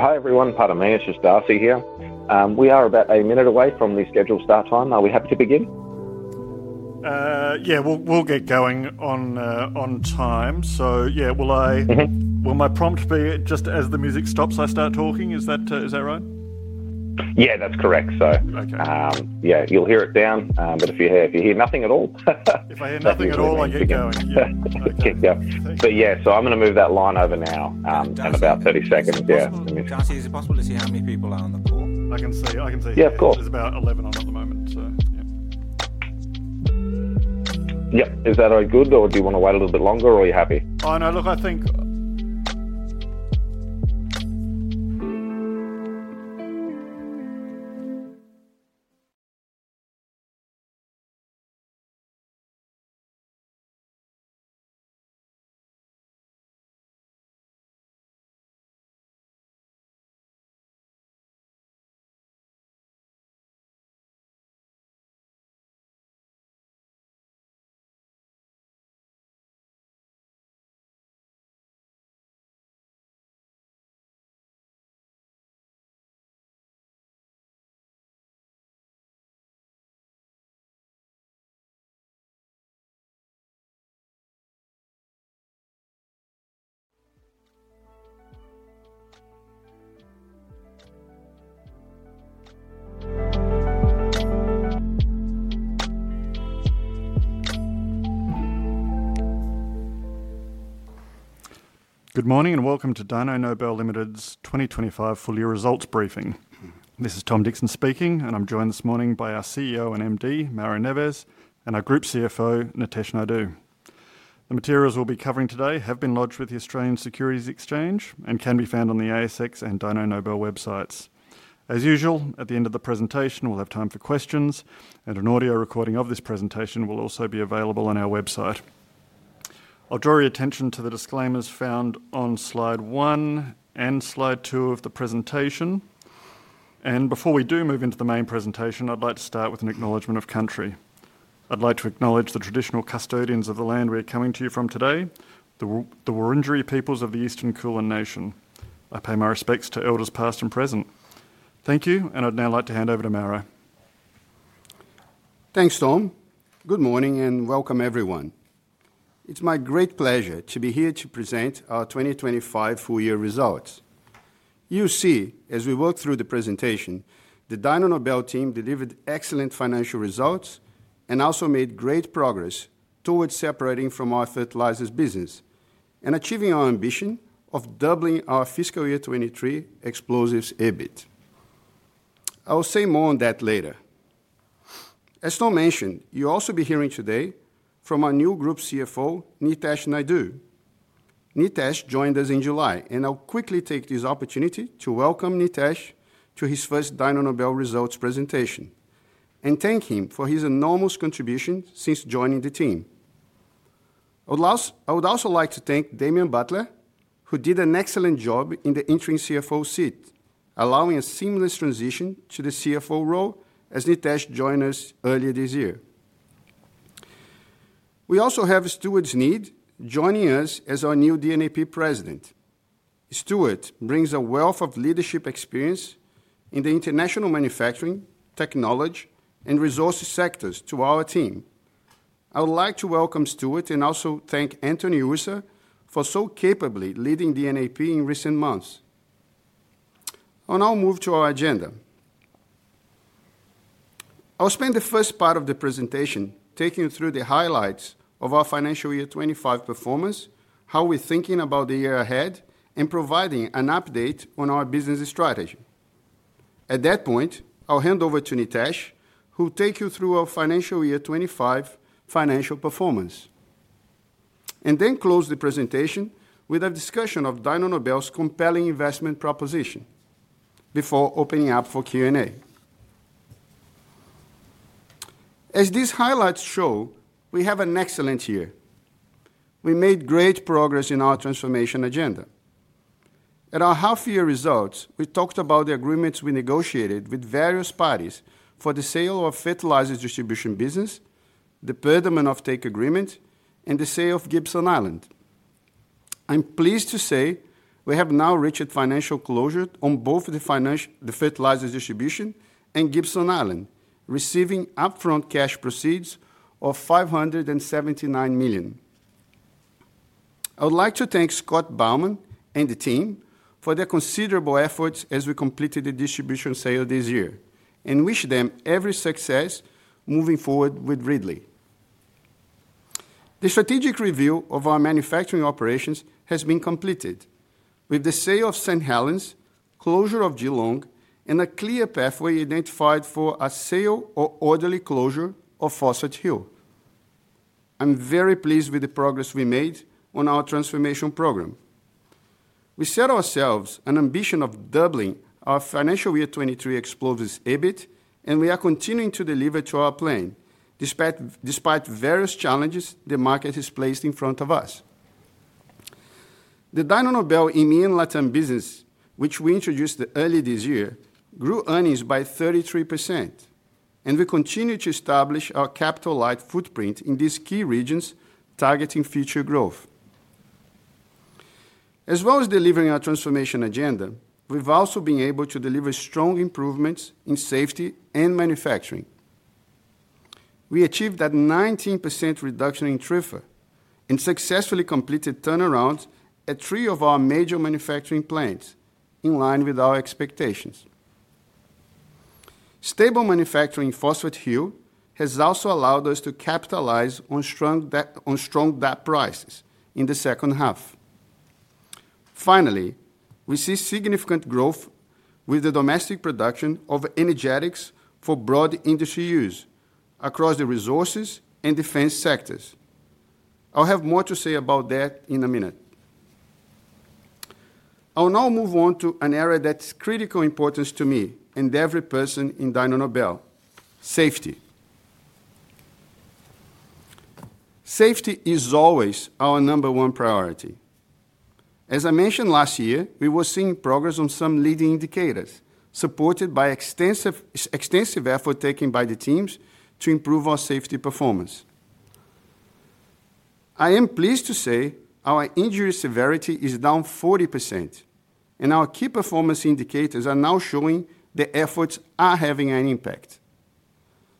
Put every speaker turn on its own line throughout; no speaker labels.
Hi everyone, [Padmé Darcy] here. We are about a minute away from the scheduled start time. Are we happy to begin?
Yeah, we'll get going on time. So, yeah, will my prompt be just, "As the music stops, I start talking"? Is that right?
Yeah, that's correct, so.
Okay.
Yeah, you'll hear it down, but if you hear—if you hear nothing at all.
If I hear nothing at all, I'll get going.
Yeah.
Okay.
Keep going. Yeah, so I'm gonna move that line over now, in about 30 seconds. Yeah.
Darcy, is it possible to see how many people are on the call?
I can see it. I can see it.
Yeah, of course.
It's about 11:00 at the moment, so, yeah.
Yep. Is that all good, or do you wanna wait a little bit longer, or are you happy?
Oh, no, look, I think.
Good morning and welcome to Dyno Nobel Ltd's 2025 full-year results briefing. This is Tom Dixon speaking, and I'm joined this morning by our CEO and MD, Mauro Neves, and our Group CFO, Nitesh Naidoo. The materials we'll be covering today have been lodged with the Australian Securities Exchange and can be found on the ASX and Dyno Nobel websites. As usual, at the end of the presentation, we'll have time for questions, and an audio recording of this presentation will also be available on our website. I'll draw your attention to the disclaimers found on slide one and slide two of the presentation. Before we do move into the main presentation, I'd like to start with an acknowledgement of country. I'd like to acknowledge the traditional custodians of the land we are coming to you from today, the Wurundjeri peoples of the Eastern Kulin Nation. I pay my respects to elders past and present. Thank you, and I'd now like to hand over to Mauro.
Thanks, Tom. Good morning and welcome, everyone. It's my great pleasure to be here to present our 2025 full-year results. You see, as we work through the presentation, the Dyno Nobel team delivered excellent financial results and also made great progress towards separating from our fertilizers business and achieving our ambition of doubling our fiscal year 2023 explosives EBIT. I'll say more on that later. As Tom mentioned, you'll also be hearing today from our new Group CFO, Nitesh Naidoo. Nitesh joined us in July, and I'll quickly take this opportunity to welcome Nitesh to his first Dyno Nobel results presentation and thank him for his enormous contribution since joining the team. I would also like to thank Damian Buttler, who did an excellent job in the entering CFO seat, allowing a seamless transition to the CFO role as Nitesh joined us earlier this year. We also have [Stuart Sneed] joining us as our new DNAP President. Stuart brings a wealth of leadership experience in the international manufacturing, technology, and resources sectors to our team. I would like to welcome Stuart and also thank Anthony Urzaa for so capably leading DNAP in recent months. I'll now move to our agenda. I'll spend the first part of the presentation taking you through the highlights of our financial year 2025 performance, how we're thinking about the year ahead, and providing an update on our business strategy. At that point, I'll hand over to Nitesh, who'll take you through our financial year 2025 financial performance, and then close the presentation with a discussion of Dyno Nobel's compelling investment proposition before opening up for Q&A. As these highlights show, we have an excellent year. We made great progress in our transformation agenda. At our half-year results, we talked about the agreements we negotiated with various parties for the sale of fertilizers distribution business, the per diem offtake agreement, and the sale of Gibson Island. I'm pleased to say we have now reached financial closure on both the fertilizers distribution and Gibson Island, receiving upfront cash proceeds of 579 million. I would like to thank Scott Bowman and the team for their considerable efforts as we completed the distribution sale this year and wish them every success moving forward with Ridley. The strategic review of our manufacturing operations has been completed with the sale of St. Helens, closure of Geelong, and a clear pathway identified for a sale or orderly closure of Phosphate Hill. I'm very pleased with the progress we made on our transformation program. We set ourselves an ambition of doubling our financial year 2023 explosives EBIT, and we are continuing to deliver to our plan despite various challenges the market has placed in front of us. The Dyno Nobel EMEA and LATAM business, which we introduced early this year, grew earnings by 33%, and we continue to establish our capital-light footprint in these key regions targeting future growth. As well as delivering our transformation agenda, we've also been able to deliver strong improvements in safety and manufacturing. We achieved a 19% reduction in TRIFR and successfully completed turnarounds at three of our major manufacturing plants in line with our expectations. Stable manufacturing in Phosphate Hill has also allowed us to capitalize on strong DAP prices in the second half. Finally, we see significant growth with the domestic production of energetics for broad industry use across the resources and defense sectors. I'll have more to say about that in a minute. I'll now move on to an area that's of critical importance to me and every person in Dyno Nobel: safety. Safety is always our number one priority. As I mentioned last year, we were seeing progress on some leading indicators, supported by extensive efforts taken by the teams to improve our safety performance. I am pleased to say our injury severity is down 40%, and our key performance indicators are now showing the efforts are having an impact.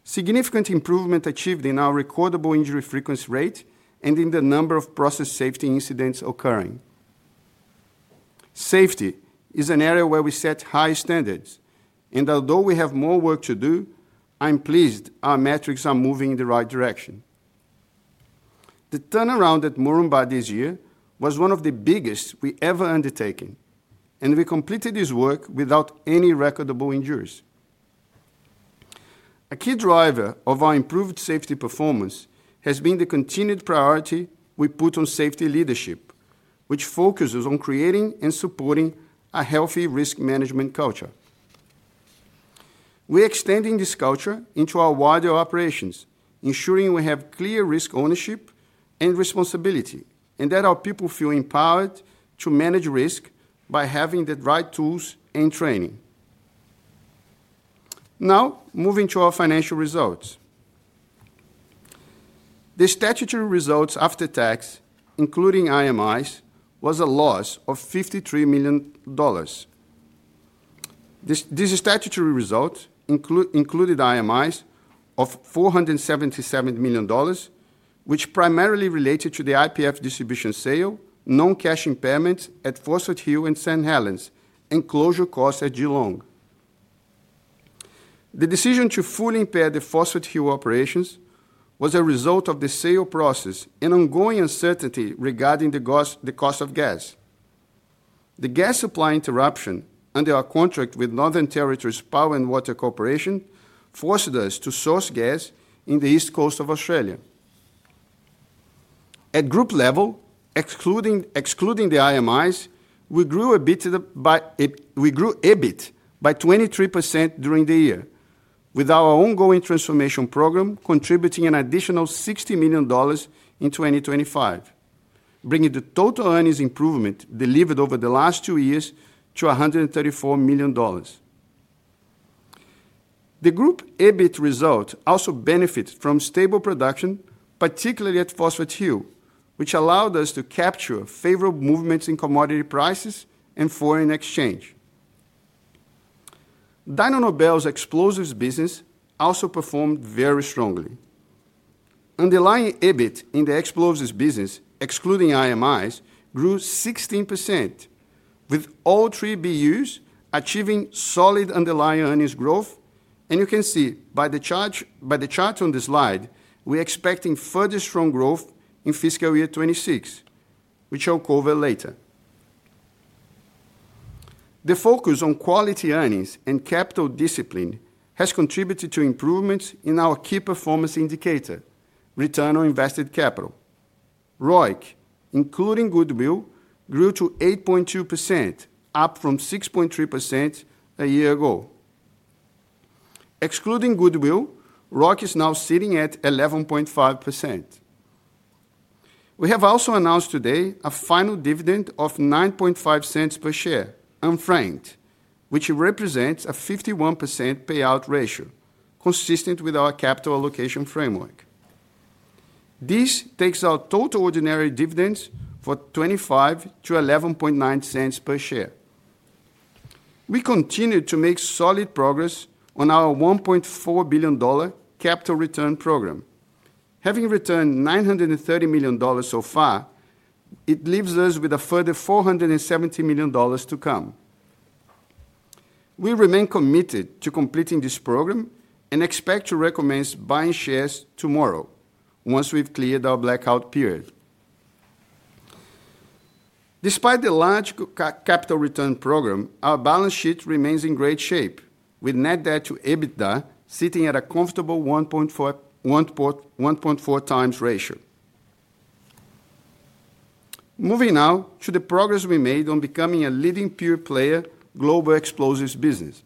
Significant improvement achieved in our recordable injury frequency rate and in the number of process safety incidents occurring. Safety is an area where we set high standards, and although we have more work to do, I'm pleased our metrics are moving in the right direction. The turnaround at Moranbah this year was one of the biggest we ever undertaken, and we completed this work without any recordable injuries. A key driver of our improved safety performance has been the continued priority we put on safety leadership, which focuses on creating and supporting a healthy risk management culture. We're extending this culture into our wider operations, ensuring we have clear risk ownership and responsibility, and that our people feel empowered to manage risk by having the right tools and training. Now, moving to our financial results. The statutory results after tax, including IMIs, was a loss of 53 million dollars. This statutory result included IMIs of 477 million dollars, which primarily related to the IPF distribution sale, non-cash impairments at Phosphate Hill and St. Helens, and closure costs at Geelong. The decision to fully impair the Phosphate Hill operations was a result of the sale process and ongoing uncertainty regarding the cost of gas. The gas supply interruption under our contract with Northern Territory Power and Water Corporation forced us to source gas in the East Coast of Australia. At group level, excluding the IMIs, we grew EBIT by 23% during the year, with our ongoing transformation program contributing an additional 60 million dollars in 2025, bringing the total earnings improvement delivered over the last two years to 134 million dollars. The group EBIT result also benefited from stable production, particularly at Phosphate Hill, which allowed us to capture favorable movements in commodity prices and foreign exchange. Dyno Nobel's explosives business also performed very strongly. Underlying EBIT in the explosives business, excluding IMIs, grew 16%, with all three BUs achieving solid underlying earnings growth. You can see by the chart on the slide, we're expecting further strong growth in fiscal year 2026, which I'll cover later. The focus on quality earnings and capital discipline has contributed to improvements in our key performance indicator, return on invested capital. ROIC, including goodwill, grew to 8.2%, up from 6.3% a year ago. Excluding goodwill, ROIC is now sitting at 11.5%. We have also announced today a final dividend of 0.095 per share, unfranked, which represents a 51% payout ratio, consistent with our capital allocation framework. This takes our total ordinary dividends for 2025 to 0.119 per share. We continue to make solid progress on our 1.4 billion dollar capital return program. Having returned 930 million dollars so far, it leaves us with a further 470 million dollars to come. We remain committed to completing this program and expect to recommence buying shares tomorrow once we've cleared our blackout period. Despite the large capital return program, our balance sheet remains in great shape, with net debt to EBITDA sitting at a comfortable 1.4x ratio. Moving now to the progress we made on becoming a leading peer player global explosives business.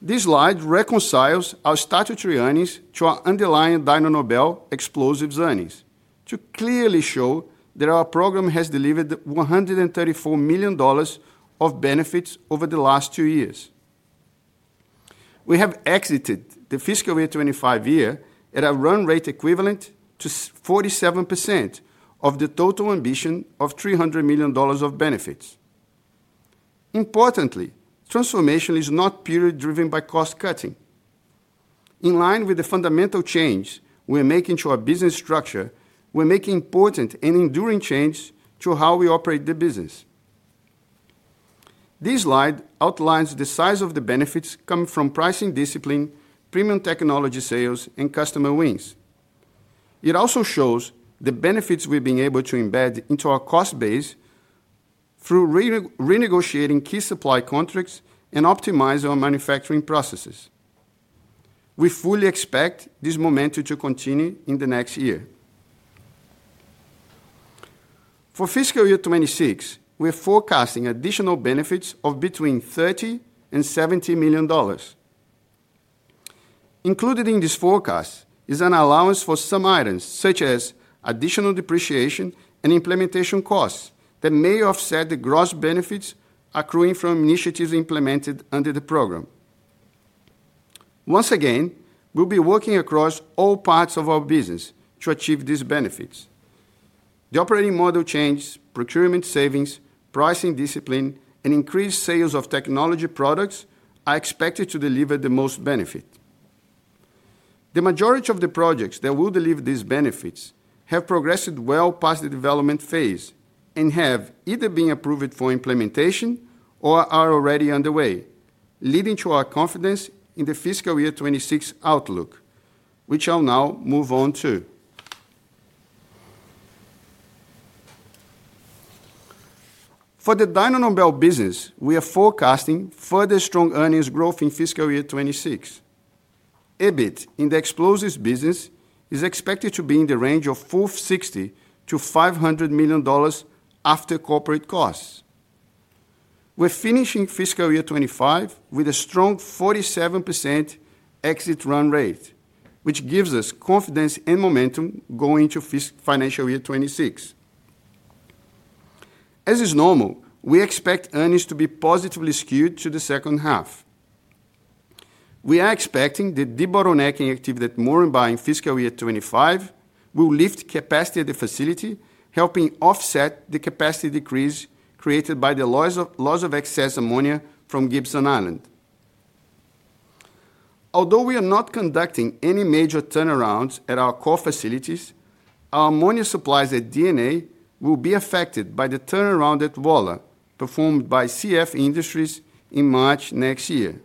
This slide reconciles our statutory earnings to our underlying Dyno Nobel explosives earnings to clearly show that our program has delivered 134 million dollars of benefits over the last two years. We have exited the fiscal year 2025 at a run rate equivalent to 47% of the total ambition of 300 million dollars of benefits. Importantly, transformation is not period-driven by cost cutting. In line with the fundamental change we're making to our business structure, we're making important and enduring changes to how we operate the business. This slide outlines the size of the benefits coming from pricing discipline, premium technology sales, and customer wins. It also shows the benefits we've been able to embed into our cost base through renegotiating key supply contracts and optimizing our manufacturing processes. We fully expect this momentum to continue in the next year. For fiscal year 2026, we're forecasting additional benefits of between 30 million and 70 million dollars. Included in this forecast is an allowance for some items, such as additional depreciation and implementation costs that may offset the gross benefits accruing from initiatives implemented under the program. Once again, we'll be working across all parts of our business to achieve these benefits. The operating model changes, procurement savings, pricing discipline, and increased sales of technology products are expected to deliver the most benefit. The majority of the projects that will deliver these benefits have progressed well past the development phase and have either been approved for implementation or are already underway, leading to our confidence in the fiscal year 2026 outlook, which I'll now move on to. For the Dyno Nobel business, we are forecasting further strong earnings growth in fiscal year 2026. EBIT in the explosives business is expected to be in the range of 460 million-500 million dollars after corporate costs. We're finishing fiscal year 2025 with a strong 47% exit run rate, which gives us confidence and momentum going into financial year 2026. As is normal, we expect earnings to be positively skewed to the second half. We are expecting the debottlenecking activity at Moranbah in fiscal year 2025 will lift capacity at the facility, helping offset the capacity decrease created by the loss of excess ammonia from Gibson Island. Although we are not conducting any major turnarounds at our core facilities, our ammonia supplies at DNA will be affected by the turnaround at WALA performed by CF Industries in March next year.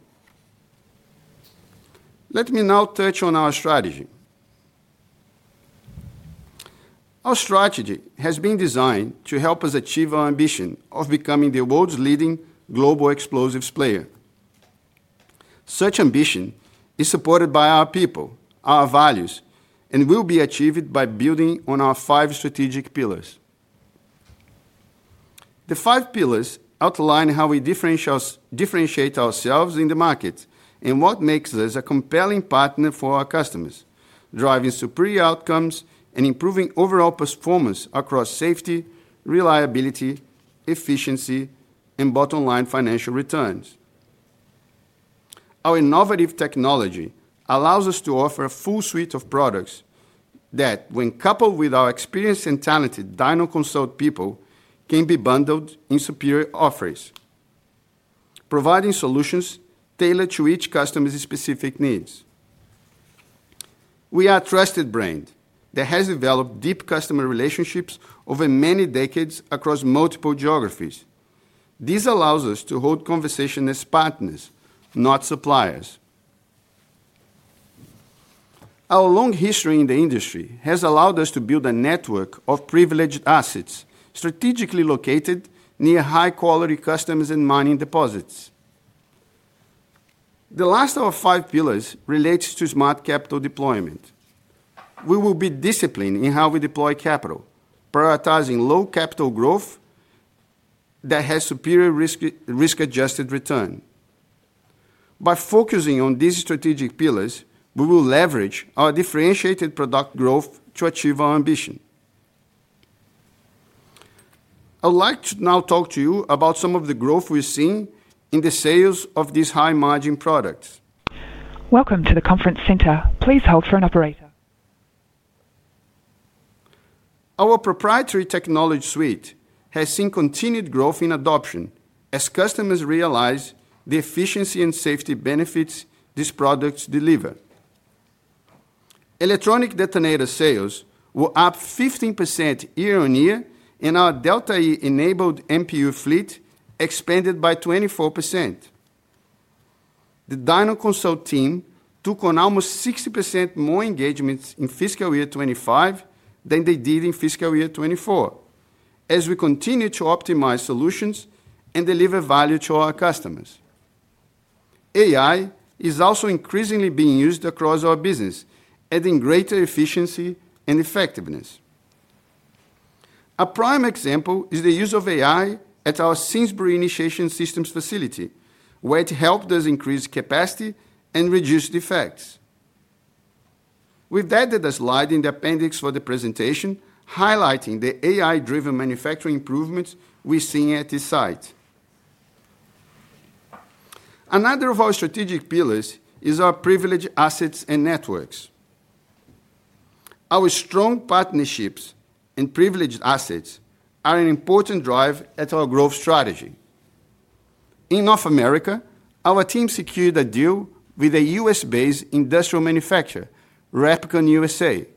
Let me now touch on our strategy. Our strategy has been designed to help us achieve our ambition of becoming the world's leading global explosives player. Such ambition is supported by our people, our values, and will be achieved by building on our five strategic pillars. The five pillars outline how we differentiate ourselves in the market and what makes us a compelling partner for our customers, driving superior outcomes and improving overall performance across safety, reliability, efficiency, and bottom-line financial returns. Our innovative technology allows us to offer a full suite of products that, when coupled with our experienced and talented Dyno Consult people, can be bundled in superior offerings, providing solutions tailored to each customer's specific needs. We are a trusted brand that has developed deep customer relationships over many decades across multiple geographies. This allows us to hold conversation as partners, not suppliers. Our long history in the industry has allowed us to build a network of privileged assets strategically located near high-quality customers and mining deposits. The last of our five pillars relates to smart capital deployment. We will be disciplined in how we deploy capital, prioritizing low capital growth that has superior risk-adjusted return. By focusing on these strategic pillars, we will leverage our differentiated product growth to achieve our ambition. I would like to now talk to you about some of the growth we're seeing in the sales of these high-margin products.
Welcome to the conference center. Please hold for an operator.
Our proprietary technology suite has seen continued growth in adoption as customers realize the efficiency and safety benefits these products deliver. Electronic detonator sales were up 15% year on year, and our Delta-E-enabled MPU fleet expanded by 24%. The Dyno Consult team took on almost 60% more engagements in fiscal year 2025 than they did in fiscal year 2024, as we continue to optimize solutions and deliver value to our customers. AI is also increasingly being used across our business, adding greater efficiency and effectiveness. A prime example is the use of AI at our Simsbury Initiation Systems facility, where it helped us increase capacity and reduce defects. We've added a slide in the appendix for the presentation highlighting the AI-driven manufacturing improvements we're seeing at this site. Another of our strategic pillars is our privileged assets and networks. Our strong partnerships and privileged assets are an important drive at our growth strategy. In North America, our team secured a deal with a U.S.-based industrial manufacturer, REPKON USA,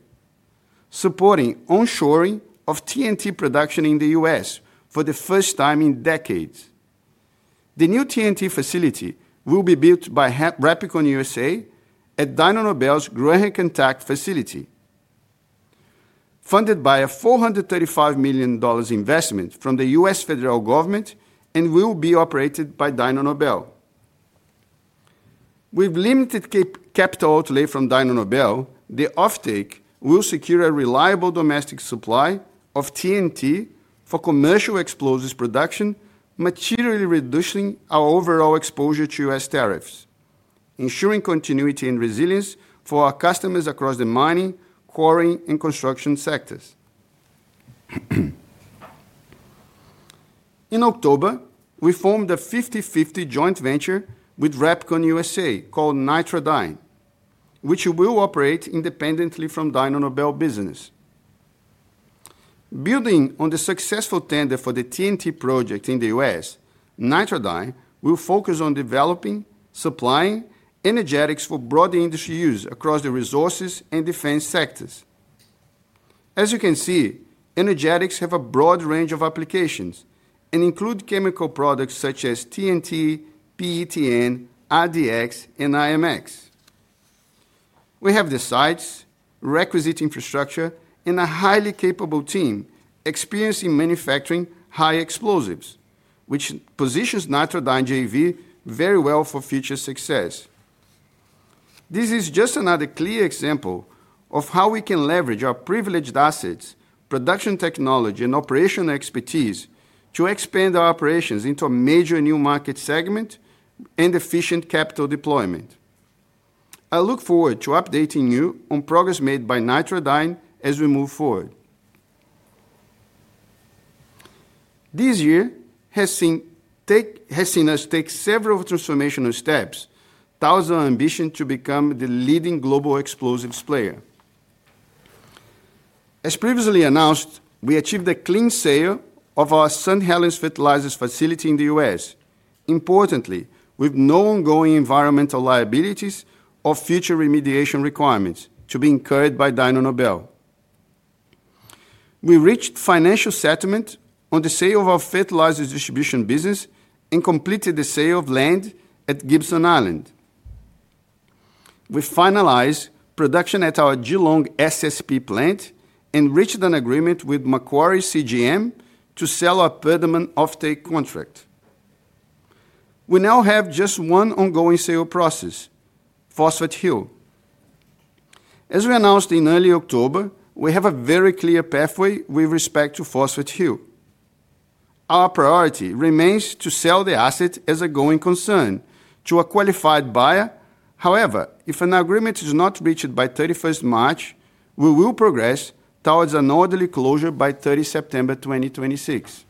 supporting onshoring of TNT production in the U.S. for the first time in decades. The new TNT facility will be built by REPKON USA at Dyno Nobel's Graham, Kentucky facility, funded by a $435 million investment from the U.S. federal government and will be operated by Dyno Nobel. With limited capital outlay from Dyno Nobel, the offtake will secure a reliable domestic supply of TNT for commercial explosives production, materially reducing our overall exposure to U.S. tariffs, ensuring continuity and resilience for our customers across the mining, quarry, and construction sectors. In October, we formed a 50/50 joint venture with REPKON USA called Nitradyn, which will operate independently from Dyno Nobel business. Building on the successful tender for the TNT project in the U.S., Nitradyn will focus on developing, supplying energetics for broader industry use across the resources and defense sectors. As you can see, energetics have a broad range of applications and include chemical products such as TNT, PETN, RDX, and IMX. We have the sites, requisite infrastructure, and a highly capable team experienced in manufacturing high explosives, which positions Nitradyn JV very well for future success. This is just another clear example of how we can leverage our privileged assets, production technology, and operational expertise to expand our operations into a major new market segment and efficient capital deployment. I look forward to updating you on progress made by Nitradyn as we move forward. This year has seen us take several transformational steps, touting our ambition to become the leading global explosives player. As previously announced, we achieved a clean sale of our St. Helens fertilizers facility in the U.S., importantly, with no ongoing environmental liabilities or future remediation requirements to be incurred by Dyno Nobel. We reached financial settlement on the sale of our fertilizer distribution business and completed the sale of land at Gibson Island. We finalized production at our Geelong SSP plant and reached an agreement with Macquarie CGM to sell our per diem offtake contract. We now have just one ongoing sale process, Phosphate Hill. As we announced in early October, we have a very clear pathway with respect to Phosphate Hill. Our priority remains to sell the asset as a going concern to a qualified buyer. However, if an agreement is not reached by 31st March, we will progress towards an orderly closure by 30 September 2026.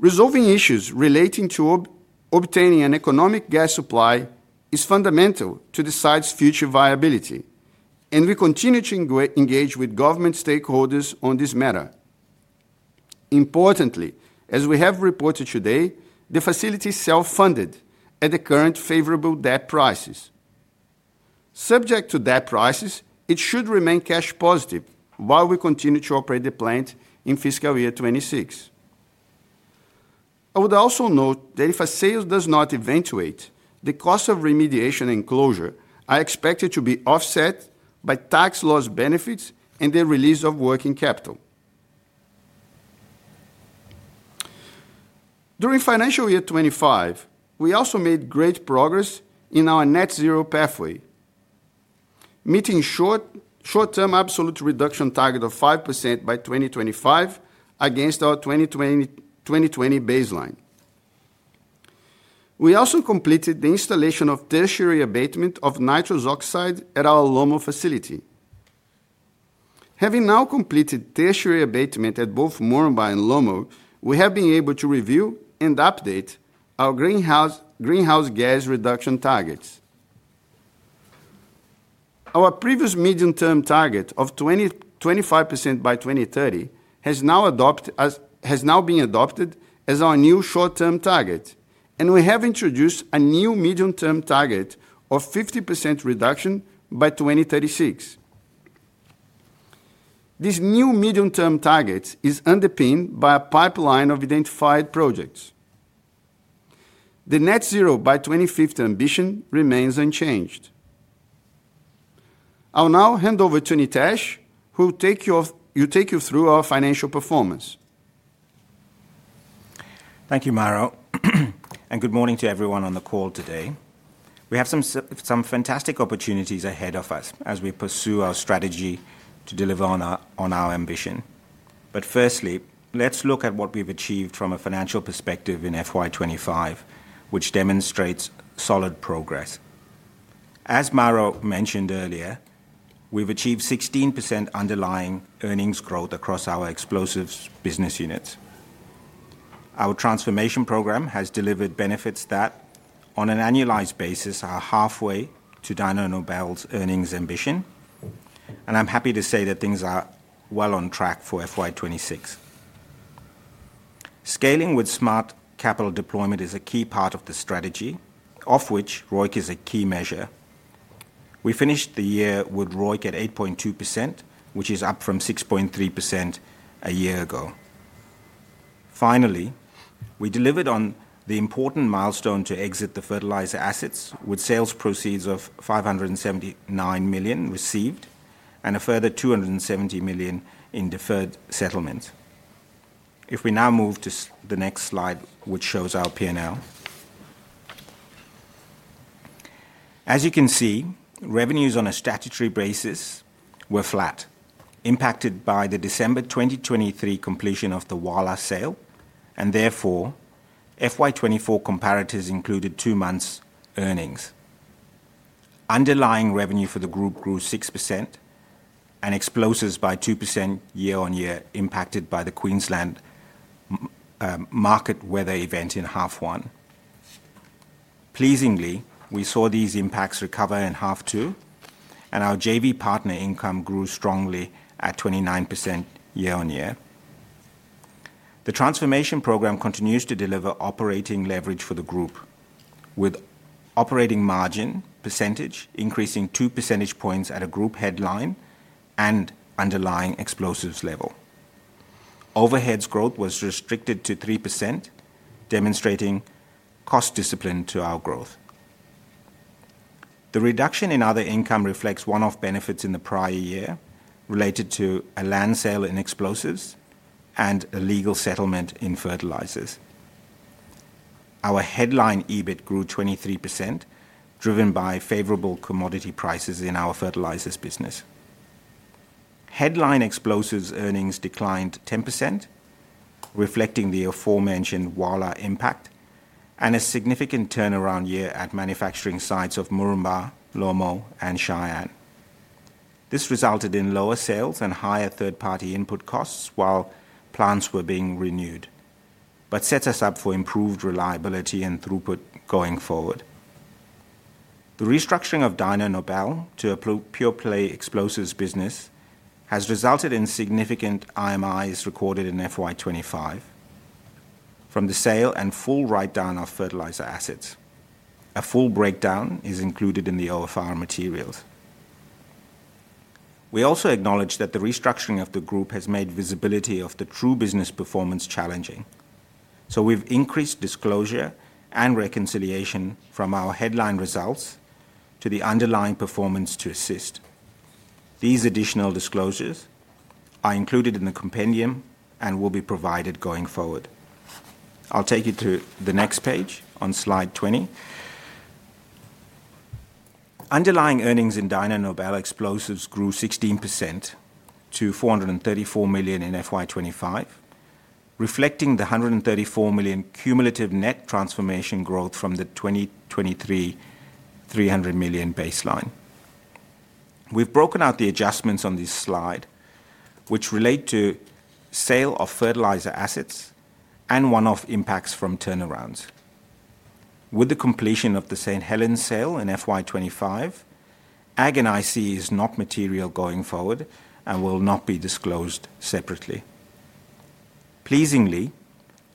Resolving issues relating to obtaining an economic gas supply is fundamental to the site's future viability, and we continue to engage with government stakeholders on this matter. Importantly, as we have reported today, the facility is self-funded at the current favorable debt prices. Subject to debt prices, it should remain cash positive while we continue to operate the plant in fiscal year 2026. I would also note that if a sale does not eventuate, the cost of remediation and closure are expected to be offset by tax loss benefits and the release of working capital. During financial year 2025, we also made great progress in our net zero pathway, meeting short-term absolute reduction target of 5% by 2025 against our 2020 baseline. We also completed the installation of tertiary abatement of nitrous oxide at our Lomo facility. Having now completed tertiary abatement at both Moranbah and Lomo, we have been able to review and update our greenhouse gas reduction targets. Our previous medium-term target of 25% by 2030 has now been adopted as our new short-term target, and we have introduced a new medium-term target of 50% reduction by 2036. This new medium-term target is underpinned by a pipeline of identified projects. The net zero by 2050 ambition remains unchanged. I'll now hand over to Nitesh, who will take you through our financial performance.
Thank you, Mauro, and good morning to everyone on the call today. We have some fantastic opportunities ahead of us as we pursue our strategy to deliver on our ambition. Firstly, let's look at what we've achieved from a financial perspective in FY2025, which demonstrates solid progress. As Mauro mentioned earlier, we've achieved 16% underlying earnings growth across our explosives business units. Our transformation program has delivered benefits that, on an annualized basis, are halfway to Dyno Nobel's earnings ambition, and I'm happy to say that things are well on track for FY2026. Scaling with smart capital deployment is a key part of the strategy, of which ROIC is a key measure. We finished the year with ROIC at 8.2%, which is up from 6.3% a year ago. Finally, we delivered on the important milestone to exit the fertilizer assets, with sales proceeds of 579 million received and a further 270 million in deferred settlement. If we now move to the next slide, which shows our P&L. As you can see, revenues on a statutory basis were flat, impacted by the December 2023 completion of the WALA sale, and therefore, FY24 comparators included two months' earnings. Underlying revenue for the group grew 6%, and explosives by 2% year on year, impacted by the Queensland market weather event in half one. Pleasingly, we saw these impacts recover in half two, and our JV partner income grew strongly at 29% year on year. The transformation program continues to deliver operating leverage for the group, with operating margin percentage increasing 2 percentage points at a group headline and underlying explosives level. Overheads growth was restricted to 3%, demonstrating cost discipline to our growth. The reduction in other income reflects one-off benefits in the prior year related to a land sale in explosives and a legal settlement in fertilizers. Our headline EBIT grew 23%, driven by favorable commodity prices in our fertilizers business. Headline explosives earnings declined 10%, reflecting the aforementioned WALA impact and a significant turnaround year at manufacturing sites of Moranbah, Lomo, and Cheyenne. This resulted in lower sales and higher third-party input costs while plants were being renewed, but sets us up for improved reliability and throughput going forward. The restructuring of Dyno Nobel to a pure-play explosives business has resulted in significant IMIs recorded in FY2025 from the sale and full write-down of fertilizer assets. A full breakdown is included in the OFR materials. We also acknowledge that the restructuring of the group has made visibility of the true business performance challenging, so we've increased disclosure and reconciliation from our headline results to the underlying performance to assist. These additional disclosures are included in the compendium and will be provided going forward. I'll take you to the next page on slide 20. Underlying earnings in Dyno Nobel explosives grew 16% to 434 million in FY2025, reflecting the 134 million cumulative net transformation growth from the 2023 300 million baseline. We've broken out the adjustments on this slide, which relate to sale of fertilizer assets and one-off impacts from turnarounds. With the completion of the St. Helens sale in FY2025, Ag and IC is not material going forward and will not be disclosed separately. Pleasingly,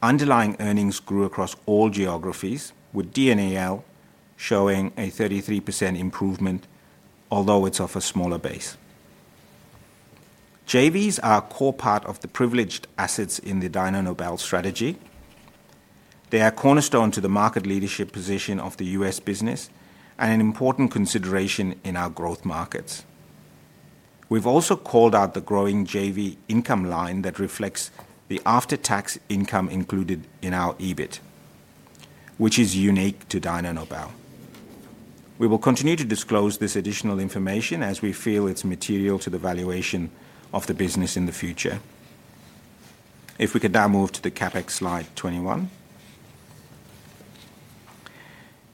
underlying earnings grew across all geographies, with DNAL showing a 33% improvement, although it's off a smaller base. JVs are a core part of the privileged assets in the Dyno Nobel strategy. They are cornerstone to the market leadership position of the U.S. business and an important consideration in our growth markets. We've also called out the growing JV income line that reflects the after-tax income included in our EBIT, which is unique to Dyno Nobel. We will continue to disclose this additional information as we feel it's material to the valuation of the business in the future. If we could now move to the CapEx slide 21.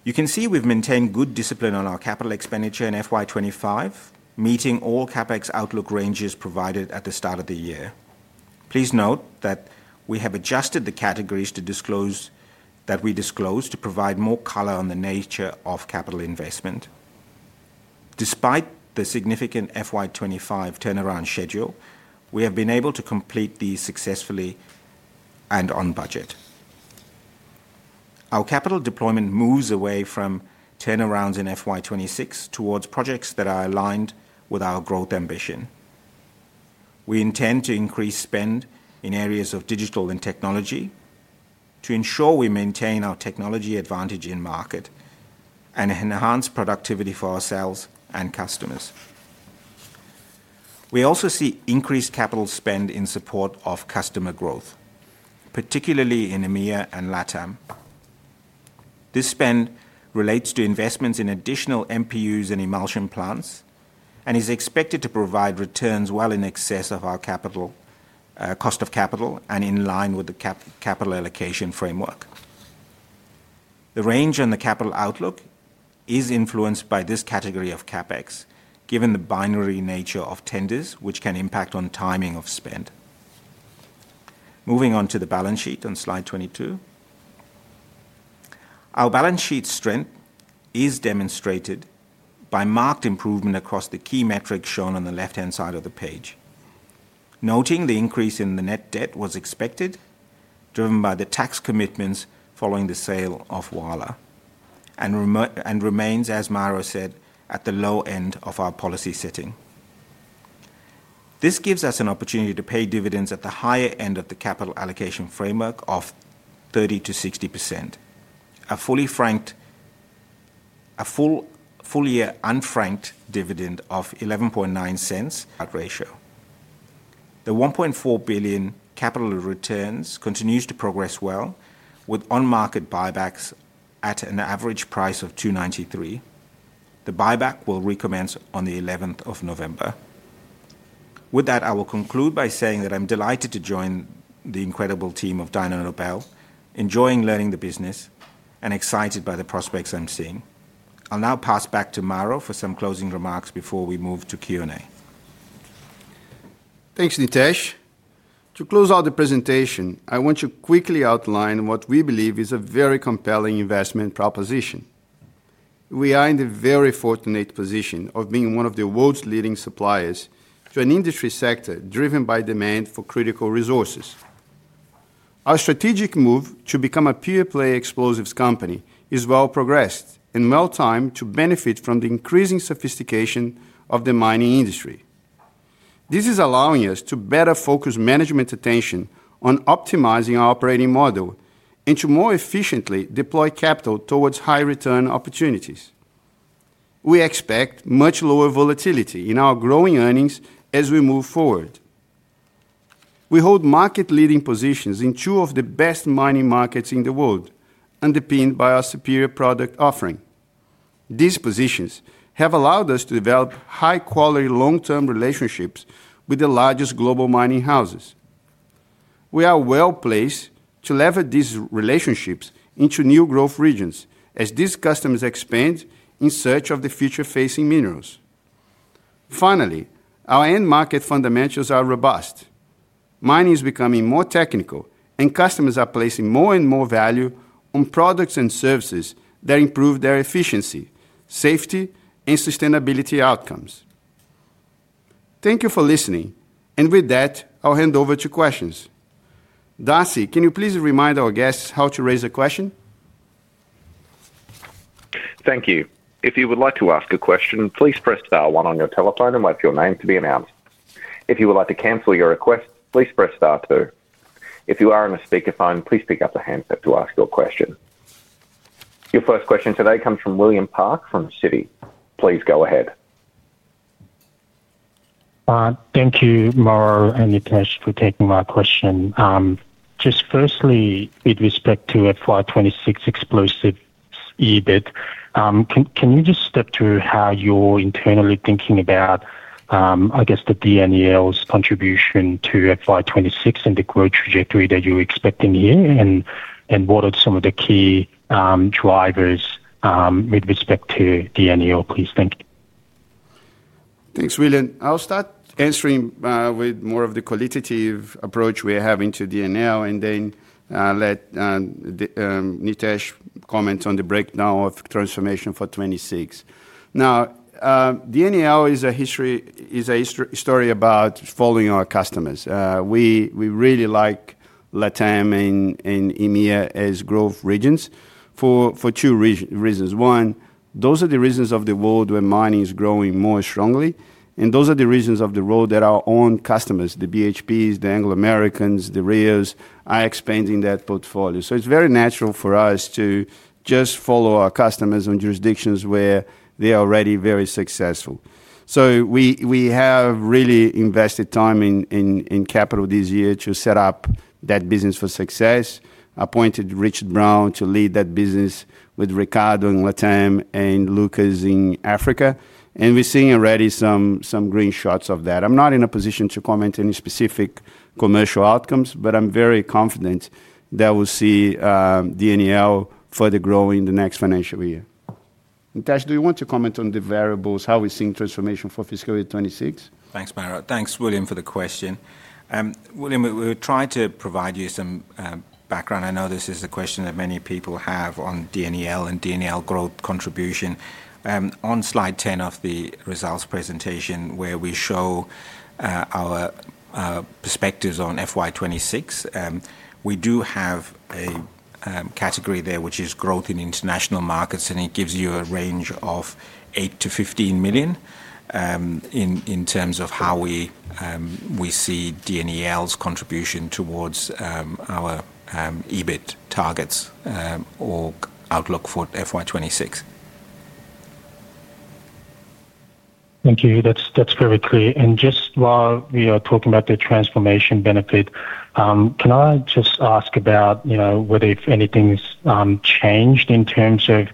You can see we've maintained good discipline on our capital expenditure in FY2025, meeting all CapEx outlook ranges provided at the start of the year. Please note that we have adjusted the categories that we disclose to provide more color on the nature of capital investment. Despite the significant FY2025 turnaround schedule, we have been able to complete these successfully and on budget. Our capital deployment moves away from turnarounds in FY2026 towards projects that are aligned with our growth ambition. We intend to increase spend in areas of digital and technology to ensure we maintain our technology advantage in market and enhance productivity for ourselves and customers. We also see increased capital spend in support of customer growth, particularly in EMEA and LATAM. This spend relates to investments in additional MPUs and emulsion plants and is expected to provide returns well in excess of our cost of capital and in line with the capital allocation framework. The range on the capital outlook is influenced by this category of CapEx, given the binary nature of tenders, which can impact on timing of spend. Moving on to the balance sheet on slide 22. Our balance sheet strength is demonstrated by marked improvement across the key metrics shown on the left-hand side of the page. Noting the increase in the net debt was expected, driven by the tax commitments following the sale of WALA, and remains, as Mauro said, at the low end of our policy setting. This gives us an opportunity to pay dividends at the higher end of the capital allocation framework of 30%-60%, a full-year unfranked dividend of 0.1199. The 1.4 billion capital returns continue to progress well, with on-market buybacks at an average price of [293 million. The buyback will recommence on the 11th of November. With that, I will conclude by saying that I'm delighted to join the incredible team of Dyno Nobel, enjoying learning the business, and excited by the prospects I'm seeing. I'll now pass back to Mauro for some closing remarks before we move to Q&A.
Thanks, Nitesh. To close out the presentation, I want to quickly outline what we believe is a very compelling investment proposition. We are in the very fortunate position of being one of the world's leading suppliers to an industry sector driven by demand for critical resources. Our strategic move to become a pure-play explosives company is well progressed and well timed to benefit from the increasing sophistication of the mining industry. This is allowing us to better focus management attention on optimizing our operating model and to more efficiently deploy capital towards high-return opportunities. We expect much lower volatility in our growing earnings as we move forward. We hold market-leading positions in two of the best mining markets in the world, underpinned by our superior product offering. These positions have allowed us to develop high-quality long-term relationships with the largest global mining houses. We are well placed to lever these relationships into new growth regions as these customers expand in search of the future-facing minerals. Finally, our end market fundamentals are robust. Mining is becoming more technical, and customers are placing more and more value on products and services that improve their efficiency, safety, and sustainability outcomes. Thank you for listening, and with that, I'll hand over to questions. [Darcy], can you please remind our guests how to raise a question?
Thank you. If you would like to ask a question, please press star one on your telephone and wait for your name to be announced. If you would like to cancel your request, please press star two. If you are in a speakerphone, please pick up the handset to ask your question. Your first question today comes from William Park from Citi. Please go ahead.
Thank you, Mauro and Nitesh, for taking my question. Just firstly, with respect to FY2026 explosives EBIT, can you just step through how you're internally thinking about, I guess, the DNAL's contribution to FY2026 and the growth trajectory that you're expecting here, and what are some of the key drivers with respect to DNAL, please? Thank you.
Thanks, William. I'll start answering with more of the qualitative approach we have into DNAL, and then let Nitesh comment on the breakdown of transformation for 2026. Now, DNAL is a story about following our customers. We really like LATAM and EMEA as growth regions for two reasons. One, those are the regions of the world where mining is growing more strongly, and those are the regions of the world that our own customers, the BHPs, the Anglo Americans, the Rios, are expanding that portfolio. It is very natural for us to just follow our customers on jurisdictions where they are already very successful. We have really invested time and capital this year to set up that business for success, appointed Richard Brown to lead that business with Ricardo in LATAM and Lucas in Africa, and we are seeing already some green shoots of that. I am not in a position to comment on any specific commercial outcomes, but I am very confident that we will see DNAL further grow in the next financial year. Nitesh, do you want to comment on the variables, how we are seeing transformation for fiscal year 2026?
Thanks, Mauro. Thanks, William, for the question. William, we'll try to provide you some background. I know this is a question that many people have on DNAL and DNAL growth contribution. On slide 10 of the results presentation, where we show our perspectives on FY2026, we do have a category there, which is growth in international markets, and it gives you a range of 8 million-15 million in terms of how we see DNAL's contribution towards our EBIT targets or outlook for FY2026.
Thank you. That's very clear. Just while we are talking about the transformation benefit, can I just ask about whether, if anything's changed in terms of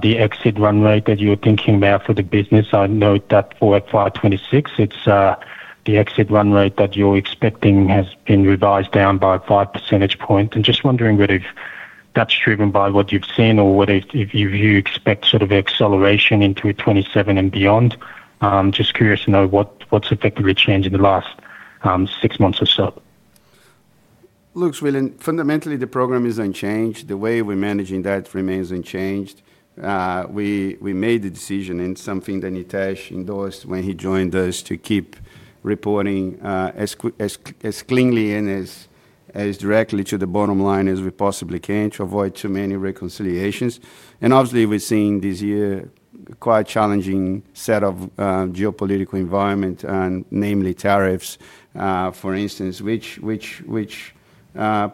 the exit run rate that you're thinking about for the business? I know that for FY2026, the exit run rate that you're expecting has been revised down by a 5 percentage point. Just wondering whether that's driven by what you've seen or whether you expect sort of acceleration into 2027 and beyond. Just curious to know what's effectively changed in the last six months or so.
Looks, William, fundamentally the program is unchanged. The way we're managing that remains unchanged. We made the decision, and something that Nitesh endorsed when he joined us, to keep reporting as cleanly and as directly to the bottom line as we possibly can to avoid too many reconciliations. Obviously, we're seeing this year quite a challenging set of geopolitical environment, namely tariffs, for instance, which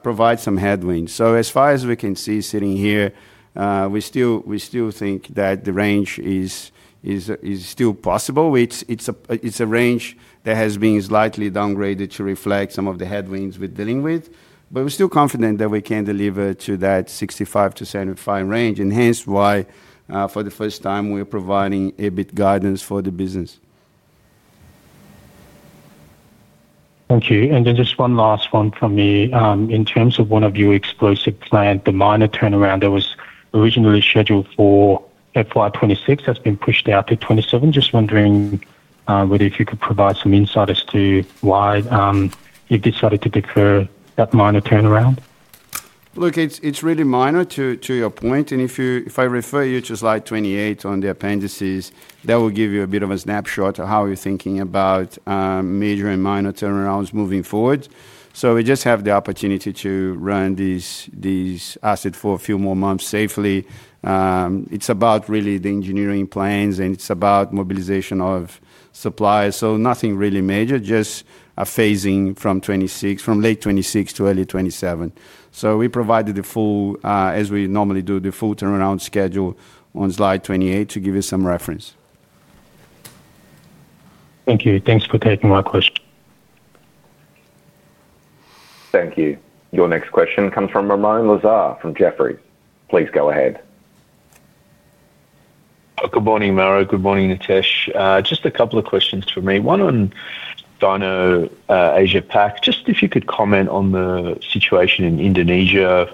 provide some headwinds. As far as we can see sitting here, we still think that the range is still possible. It's a range that has been slightly downgraded to reflect some of the headwinds we're dealing with, but we're still confident that we can deliver to that 65% refined range, and hence why, for the first time, we're providing EBIT guidance for the business.
Thank you. And then just one last one from me. In terms of one of your explosive plants, the minor turnaround that was originally scheduled for fiscal year 2026 has been pushed out to 2027. Just wondering whether you could provide some insight as to why you decided to defer that minor turnaround?
Look, it's really minor, to your point. If I refer you to slide 28 on the appendices, that will give you a bit of a snapshot of how we're thinking about major and minor turnarounds moving forward. We just have the opportunity to run this asset for a few more months safely. It's about really the engineering plans, and it's about mobilization of suppliers. Nothing really major, just a phasing from 2026, from late 2026 to early 2027. We provided the full, as we normally do, the full turnaround schedule on slide 28 to give you some reference.
Thank you. Thanks for taking my question. Thank you.
Your next question comes from Ramoun Lazar from Jefferies. Please go ahead.
Good morning, Mauro. Good morning, Nitesh. Just a couple of questions for me. One on Dyno Asia Pac, just if you could comment on the situation in Indonesia,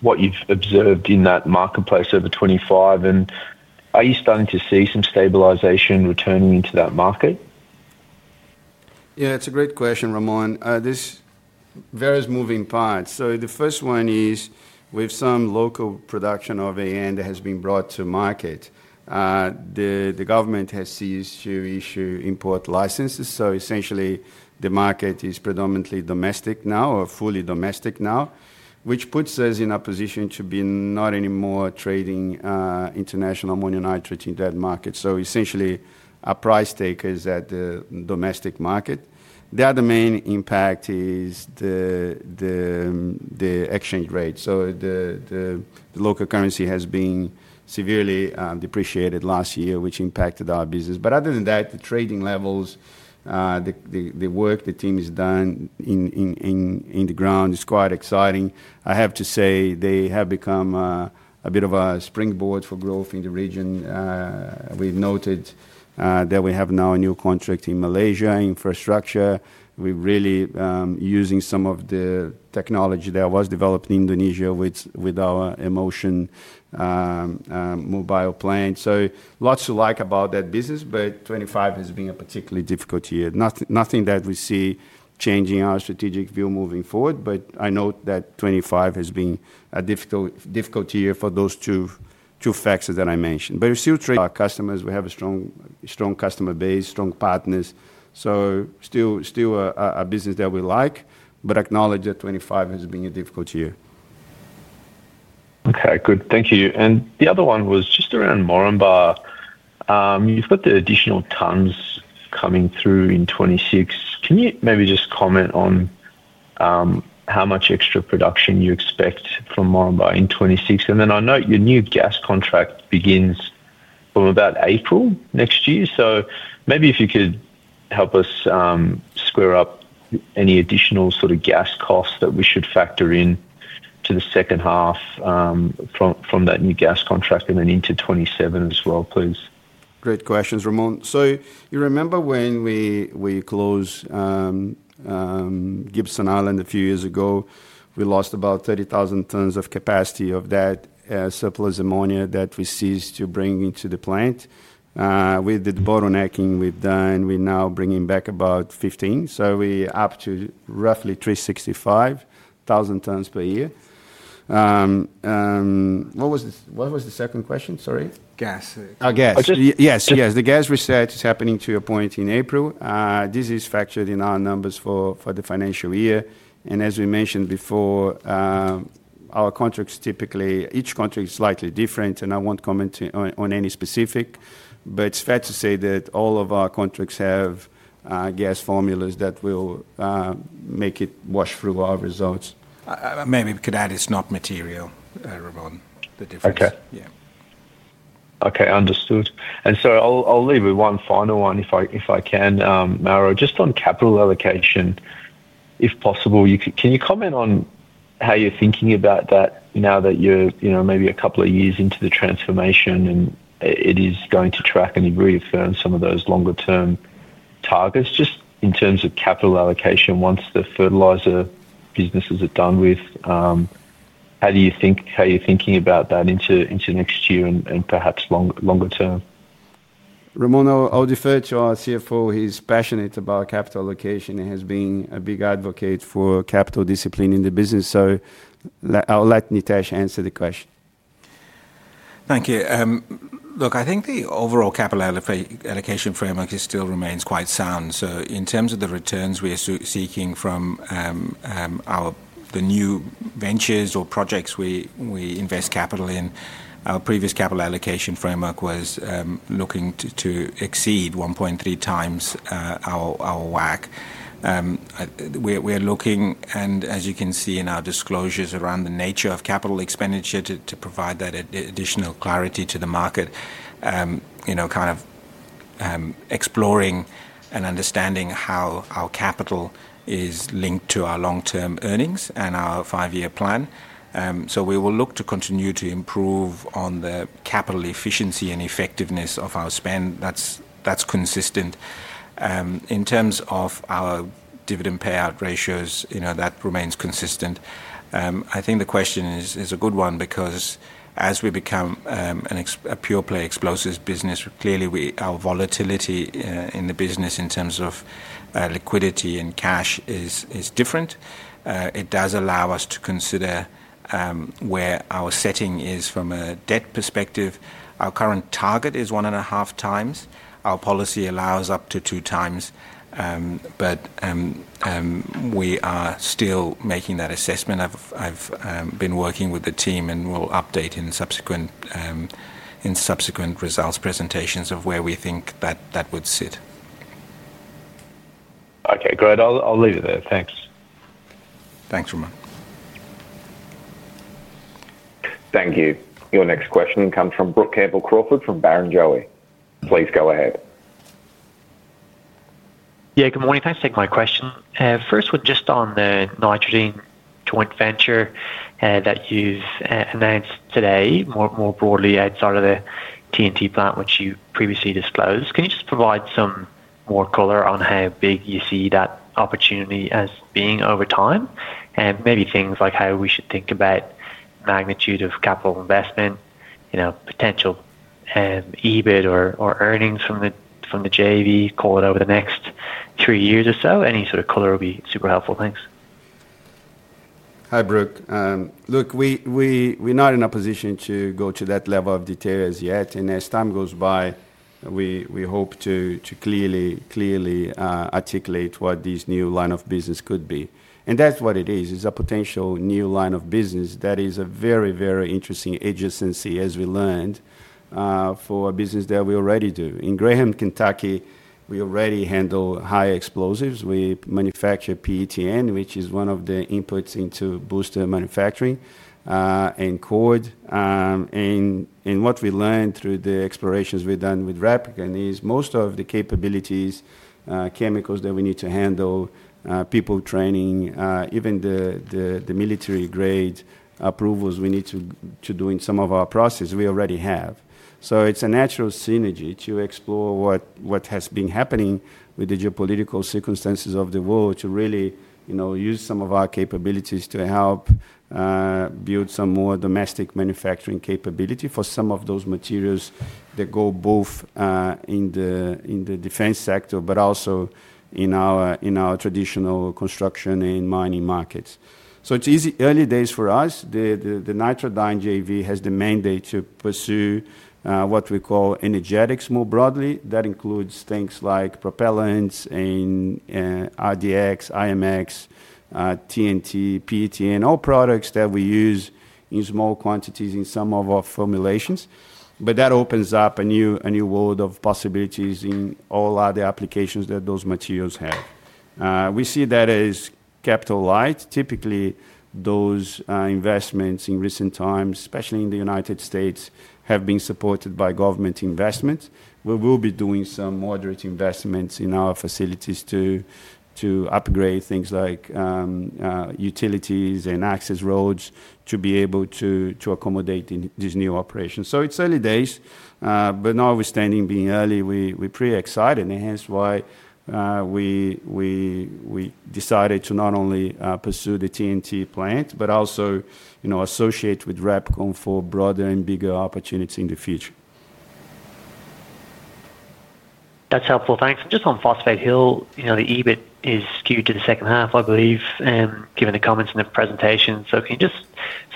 what you've observed in that marketplace over 2025, and are you starting to see some stabilization returning into that market?
Yeah, it's a great question, Ramoun. There are various moving parts. The first one is we have some local production of EN that has been brought to market. The government has ceased to issue import licenses, so essentially the market is predominantly domestic now or fully domestic now, which puts us in a position to be not anymore trading international ammonium nitrate in that market. Essentially our price taker is at the domestic market. The other main impact is the exchange rate. The local currency has been severely depreciated last year, which impacted our business. Other than that, the trading levels, the work the team has done in the ground is quite exciting. I have to say they have become a bit of a springboard for growth in the region. We've noted that we have now a new contract in Malaysia in infrastructure. We're really using some of the technology that was developed in Indonesia with our emulsion mobile plant. Lots to like about that business, but 2025 has been a particularly difficult year. Nothing that we see changing our strategic view moving forward, but I note that 2025 has been a difficult year for those two factors that I mentioned. We are still. Our customers. We have a strong customer base, strong partners. Still a business that we like, but acknowledge that 2025 has been a difficult year.
Okay, good. Thank you. The other one was just around Moranbah. You have the additional tonnes coming through in 2026. Can you maybe just comment on how much extra production you expect from Moranbah in 2026? I note your new gas contract begins from about April next year. Maybe if you could help us square up any additional sort of gas costs that we should factor into the second half from that new gas contract and then into 2027 as well, please.
Great questions, Ramoun. You remember when we closed Gibson Island a few years ago, we lost about 30,000 tonnes of capacity of that surplus ammonia that we ceased to bring into the plant? With the bottlenecking we have done, we are now bringing back about 15. We are up to roughly 365,000 tonnes per year. What was the second question? Sorry.
Gas.
Oh, gas. Yes, yes. The gas reset is happening, to your point, in April. This is factored in our numbers for the financial year. As we mentioned before, our contracts typically, each contract is slightly different, and I will not comment on any specific, but it is fair to say that all of our contracts have gas formulas that will make it wash through our results. Maybe we could add it is not material, Ramoun, the difference.
Yeah. Okay, understood. I will leave with one final one, if I can, Mauro. Just on capital allocation, if possible, can you comment on how you're thinking about that now that you're maybe a couple of years into the transformation and it is going to track and you've reaffirmed some of those longer-term targets, just in terms of capital allocation once the fertilizer business is done with? How are you thinking about that into next year and perhaps longer term?
Ramoun, I'll defer to our CFO. He's passionate about capital allocation and has been a big advocate for capital discipline in the business. So I'll let Nitesh answer the question.
Thank you. Look, I think the overall capital allocation framework still remains quite sound. In terms of the returns we are seeking from the new ventures or projects we invest capital in, our previous capital allocation framework was looking to exceed 1.3x our WACC. We are looking, and as you can see in our disclosures around the nature of capital expenditure, to provide that additional clarity to the market, kind of exploring and understanding how our capital is linked to our long-term earnings and our five-year plan. We will look to continue to improve on the capital efficiency and effectiveness of our spend. That is consistent. In terms of our dividend payout ratios, that remains consistent. I think the question is a good one because as we become a pure play explosives business, clearly our volatility in the business in terms of liquidity and cash is different. It does allow us to consider where our setting is from a debt perspective. Our current target is 1.5x. Our policy allows up to 2x, but we are still making that assessment. I've been working with the team and will update in subsequent results presentations of where we think that that would sit.
Okay, great. I'll leave it there. Thanks.
Thanks, Ramoun.
Thank you. Your next question comes from Brook Campbell-Crawford from Barrenjoey. Please go ahead.
Yeah, good morning. Thanks for taking my question. First, just on the nitrogen joint venture that you've announced today, more broadly outside of the TNT plant, which you previously disclosed, can you just provide some more color on how big you see that opportunity as being over time? Maybe things like how we should think about magnitude of capital investment, potential EBIT or earnings from the JV call it over the next three years or so. Any sort of color would be super helpful. Thanks.
Hi, Brook. Look, we're not in a position to go to that level of detail as yet. As time goes by, we hope to clearly articulate what this new line of business could be. That is what it is. It is a potential new line of business that is a very, very interesting adjacency, as we learned, for a business that we already do. In Graham, Kentucky, we already handle high explosives. We manufacture PETN, which is one of the inputs into booster manufacturing, and cord. What we learned through the explorations we have done with REPKON is most of the capabilities, chemicals that we need to handle, people training, even the military-grade approvals we need to do in some of our processes, we already have. It is a natural synergy to explore what has been happening with the geopolitical circumstances of the world to really use some of our capabilities to help build some more domestic manufacturing capability for some of those materials that go both in the defense sector, but also in our traditional construction and mining markets. It is early days for us. The Nitradyn JV has the mandate to pursue what we call energetics more broadly. That includes things like propellants and RDX, IMX, TNT, PETN, all products that we use in small quantities in some of our formulations. That opens up a new world of possibilities in all other applications that those materials have. We see that as capital light. Typically, those investments in recent times, especially in the United States, have been supported by government investment. We will be doing some moderate investments in our facilities to upgrade things like utilities and access roads to be able to accommodate these new operations. It's early days, but now we're standing being early, we're pretty excited. Hence why we decided to not only pursue the TNT plant, but also associate with REPKON for broader and bigger opportunities in the future.
That's helpful. Thanks. Just on Phosphate Hill, the EBIT is skewed to the second half, I believe, given the comments in the presentation. Can you just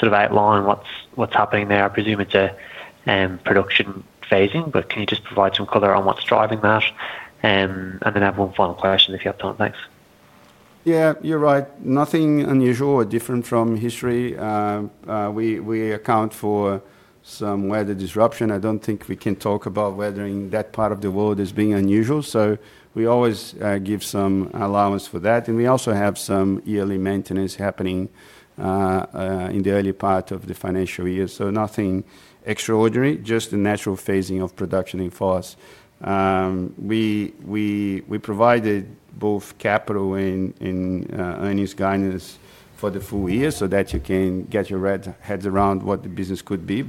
sort of outline what's happening there? I presume it's a production phasing, but can you just provide some color on what's driving that? I have one final question if you have time. Thanks.
Yeah, you're right. Nothing unusual or different from history. We account for some weather disruption. I don't think we can talk about weathering that part of the world as being unusual. We always give some allowance for that. We also have some yearly maintenance happening in the early part of the financial year. Nothing extraordinary, just the natural phasing of production in force. We provided both capital and earnings guidance for the full year so that you can get your heads around what the business could be.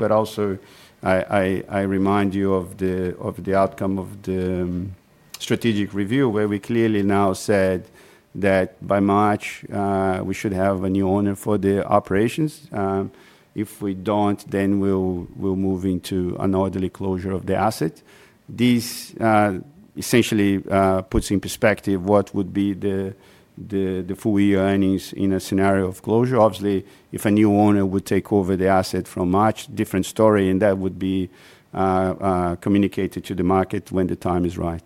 I remind you of the outcome of the strategic review where we clearly now said that by March we should have a new owner for the operations. If we don't, then we'll move into an orderly closure of the asset. This essentially puts in perspective what would be the full year earnings in a scenario of closure. Obviously, if a new owner would take over the asset from March, different story, and that would be communicated to the market when the time is right.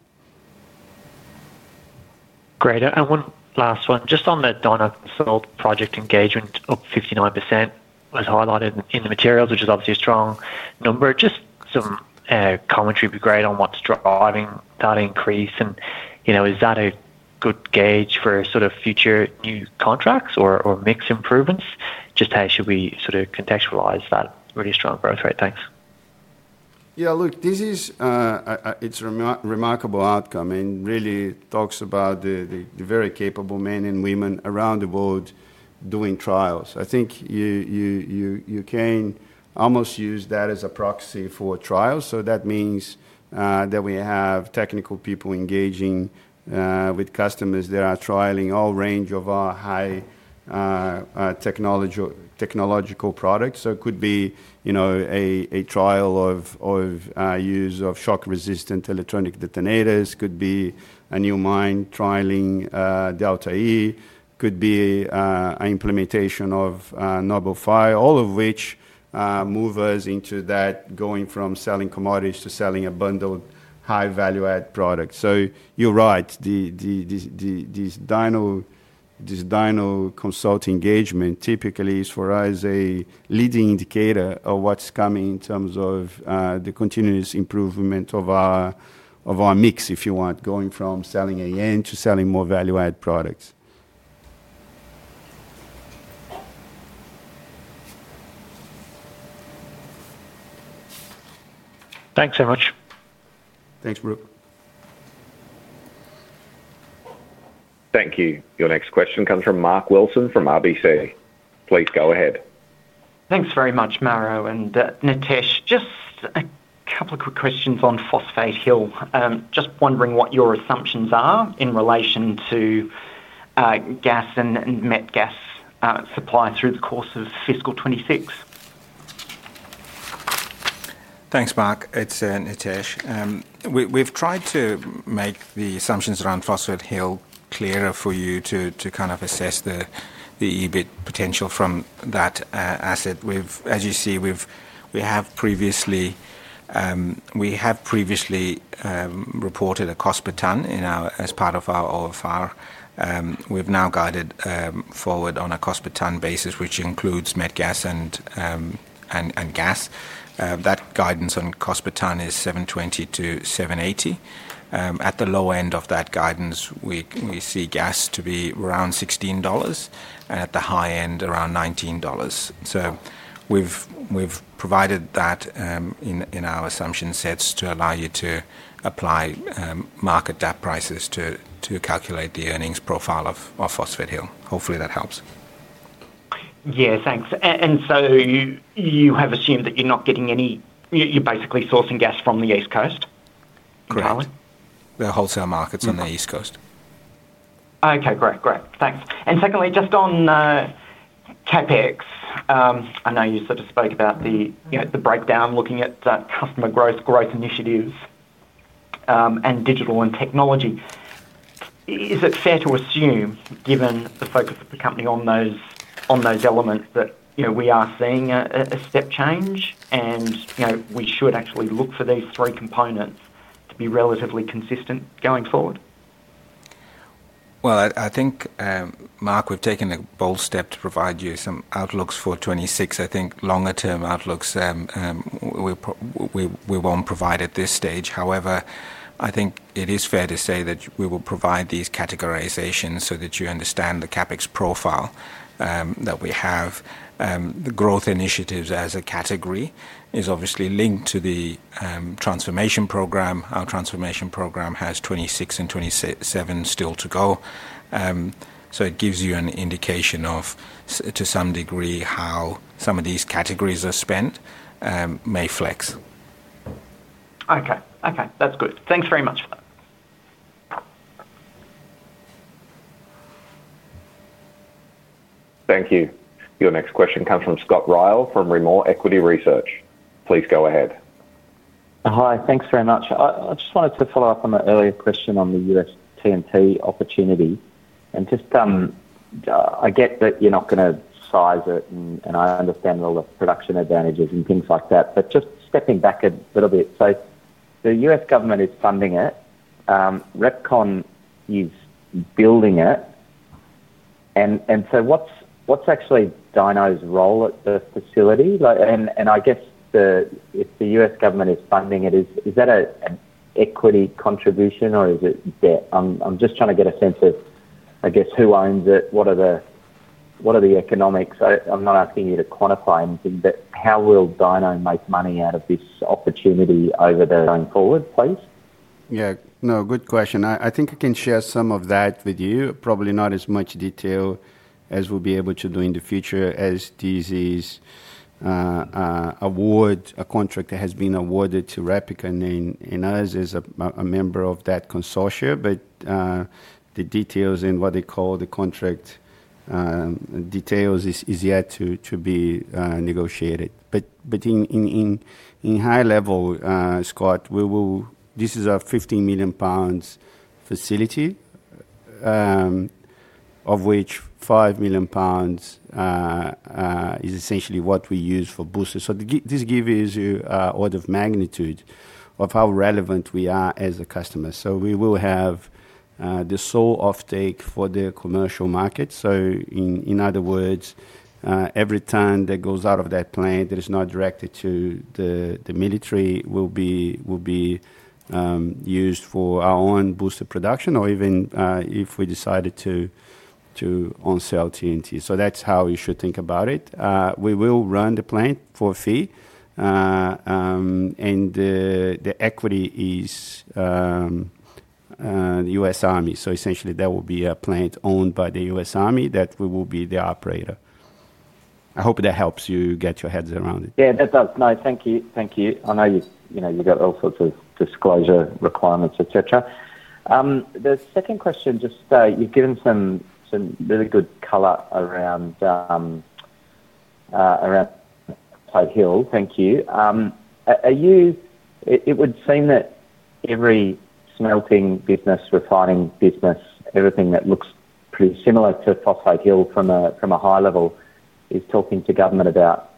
Great. One last one. Just on the Dyno consult project engagement of 59% was highlighted in the materials, which is obviously a strong number. Just some commentary would be great on what's driving that increase. Is that a good gauge for sort of future new contracts or mix improvements? How should we sort of contextualize that really strong growth rate? Thanks.
Yeah, look, this is a remarkable outcome and really talks about the very capable men and women around the world doing trials. I think you can almost use that as a proxy for trials. That means that we have technical people engaging with customers that are trialing all range of our high technological products. It could be a trial of use of shock-resistant electronic detonators. It could be a new mine trialing Delta-E. It could be an implementation of Nobel Fire, all of which moves us into that going from selling commodities to selling a bundled high-value-add product. You are right. This Dyno consult engagement typically is for us a leading indicator of what is coming in terms of the continuous improvement of our mix, if you want, going from selling AN to selling more value-add products.
Thanks so much.
Thanks, Brook.
Thank you. Your next question comes from Mark Wilson from RBC. Please go ahead.
Thanks very much, Mauro. And Nitesh, just a couple of quick questions on Phosphate Hill. Just wondering what your assumptions are in relation to gas and met gas supply through the course of fiscal 2026.
Thanks, Mark. It is Nitesh. We've tried to make the assumptions around Phosphate Hill clearer for you to kind of assess the EBIT potential from that asset. As you see, we have previously reported a cost per tonne as part of our OFR. We've now guided forward on a cost per tonne basis, which includes met gas and gas. That guidance on cost per tonne is 720-780. At the low end of that guidance, we see gas to be around 16 dollars, and at the high end, around 19 dollars. We've provided that in our assumption sets to allow you to apply market depth prices to calculate the earnings profile of Phosphate Hill. Hopefully, that helps.
Yeah, thanks. You have assumed that you're not getting any, you're basically sourcing gas from the East Coast, apparently?
Correct. The wholesale markets on the East Coast.
Okay, great. Great. Thanks. Just on CapEx, I know you sort of spoke about the breakdown looking at customer growth, growth initiatives, and digital and technology. Is it fair to assume, given the focus of the company on those elements, that we are seeing a step change and we should actually look for these three components to be relatively consistent going forward?
I think, Mark, we've taken a bold step to provide you some outlooks for 2026. I think longer-term outlooks we won't provide at this stage. However, I think it is fair to say that we will provide these categorizations so that you understand the CapEx profile that we have. The growth initiatives as a category is obviously linked to the transformation program. Our transformation program has 2026 and 2027 still to go. So it gives you an indication of, to some degree, how some of these categories are spent, may flex.
Okay. Okay. That's good. Thanks very much for that.
Thank you. Your next question comes from Scott Ryall from Rimor Equity Research. Please go ahead.
Hi. Thanks very much. I just wanted to follow up on the earlier question on the U.S. TNT opportunity. And I get that you're not going to size it, and I understand all the production advantages and things like that, but just stepping back a little bit. The U.S. government is funding it. REPKON is building it. And what's actually Dyno's role at the facility? I guess if the U.S. government is funding it, is that an equity contribution or is it debt? I'm just trying to get a sense of, I guess, who owns it, what are the economics? I'm not asking you to quantify anything, but how will Dyno Nobel make money out of this opportunity over going forward, please?
Yeah. No, good question. I think I can share some of that with you. Probably not as much detail as we'll be able to do in the future as this is a contract that has been awarded to REPKON and us as a member of that consortium. The details in what they call the contract details is yet to be negotiated. In high level, Scott, this is a 15 million pounds facility, of which 5 million pounds is essentially what we use for boosters. This gives you an order of magnitude of how relevant we are as a customer. We will have the sole offtake for the commercial market. In other words, every tonne that goes out of that plant that is not directed to the military will be used for our own booster production or even if we decided to on-sale TNT. That is how you should think about it. We will run the plant for a fee, and the equity is the U.S. Army. Essentially, that will be a plant owned by the U.S. Army that we will be the operator. I hope that helps you get your heads around it.
Yeah, that does. No. Thank you. Thank you. I know you have all sorts of disclosure requirements, etc. The second question, just you have given some really good color around Phosphate Hill. Thank you. It would seem that every smelting business, refining business, everything that looks pretty similar to Phosphate Hill from a high level is talking to government about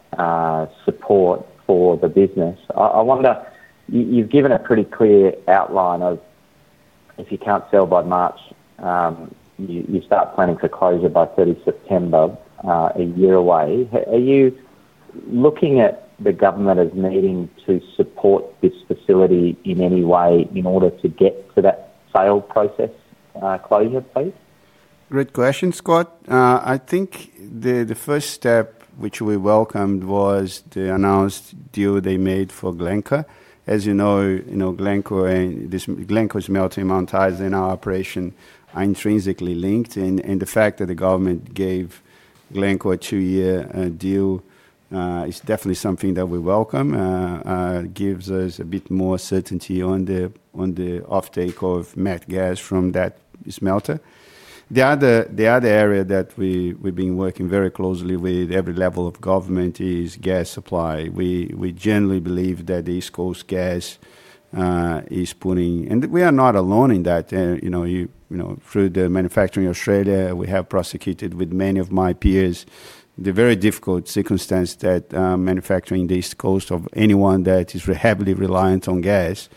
support for the business. I wonder, you've given a pretty clear outline of if you can't sell by March, you start planning for closure by 30 September, a year away. Are you looking at the government as needing to support this facility in any way in order to get to that sale process closure, please?
Great question, Scott. I think the first step, which we welcomed, was the announced deal they made for Glencore. As you know, Glencore's smelting monetized in our operation are intrinsically linked. The fact that the government gave Glencore a two-year deal is definitely something that we welcome. It gives us a bit more certainty on the offtake of met gas from that smelter. The other area that we've been working very closely with every level of government is gas supply. We generally believe that the East Coast gas is putting and we are not alone in that. Through the manufacturing in Australia, we have prosecuted with many of my peers the very difficult circumstance that manufacturing the East Coast of anyone that is heavily reliant on gas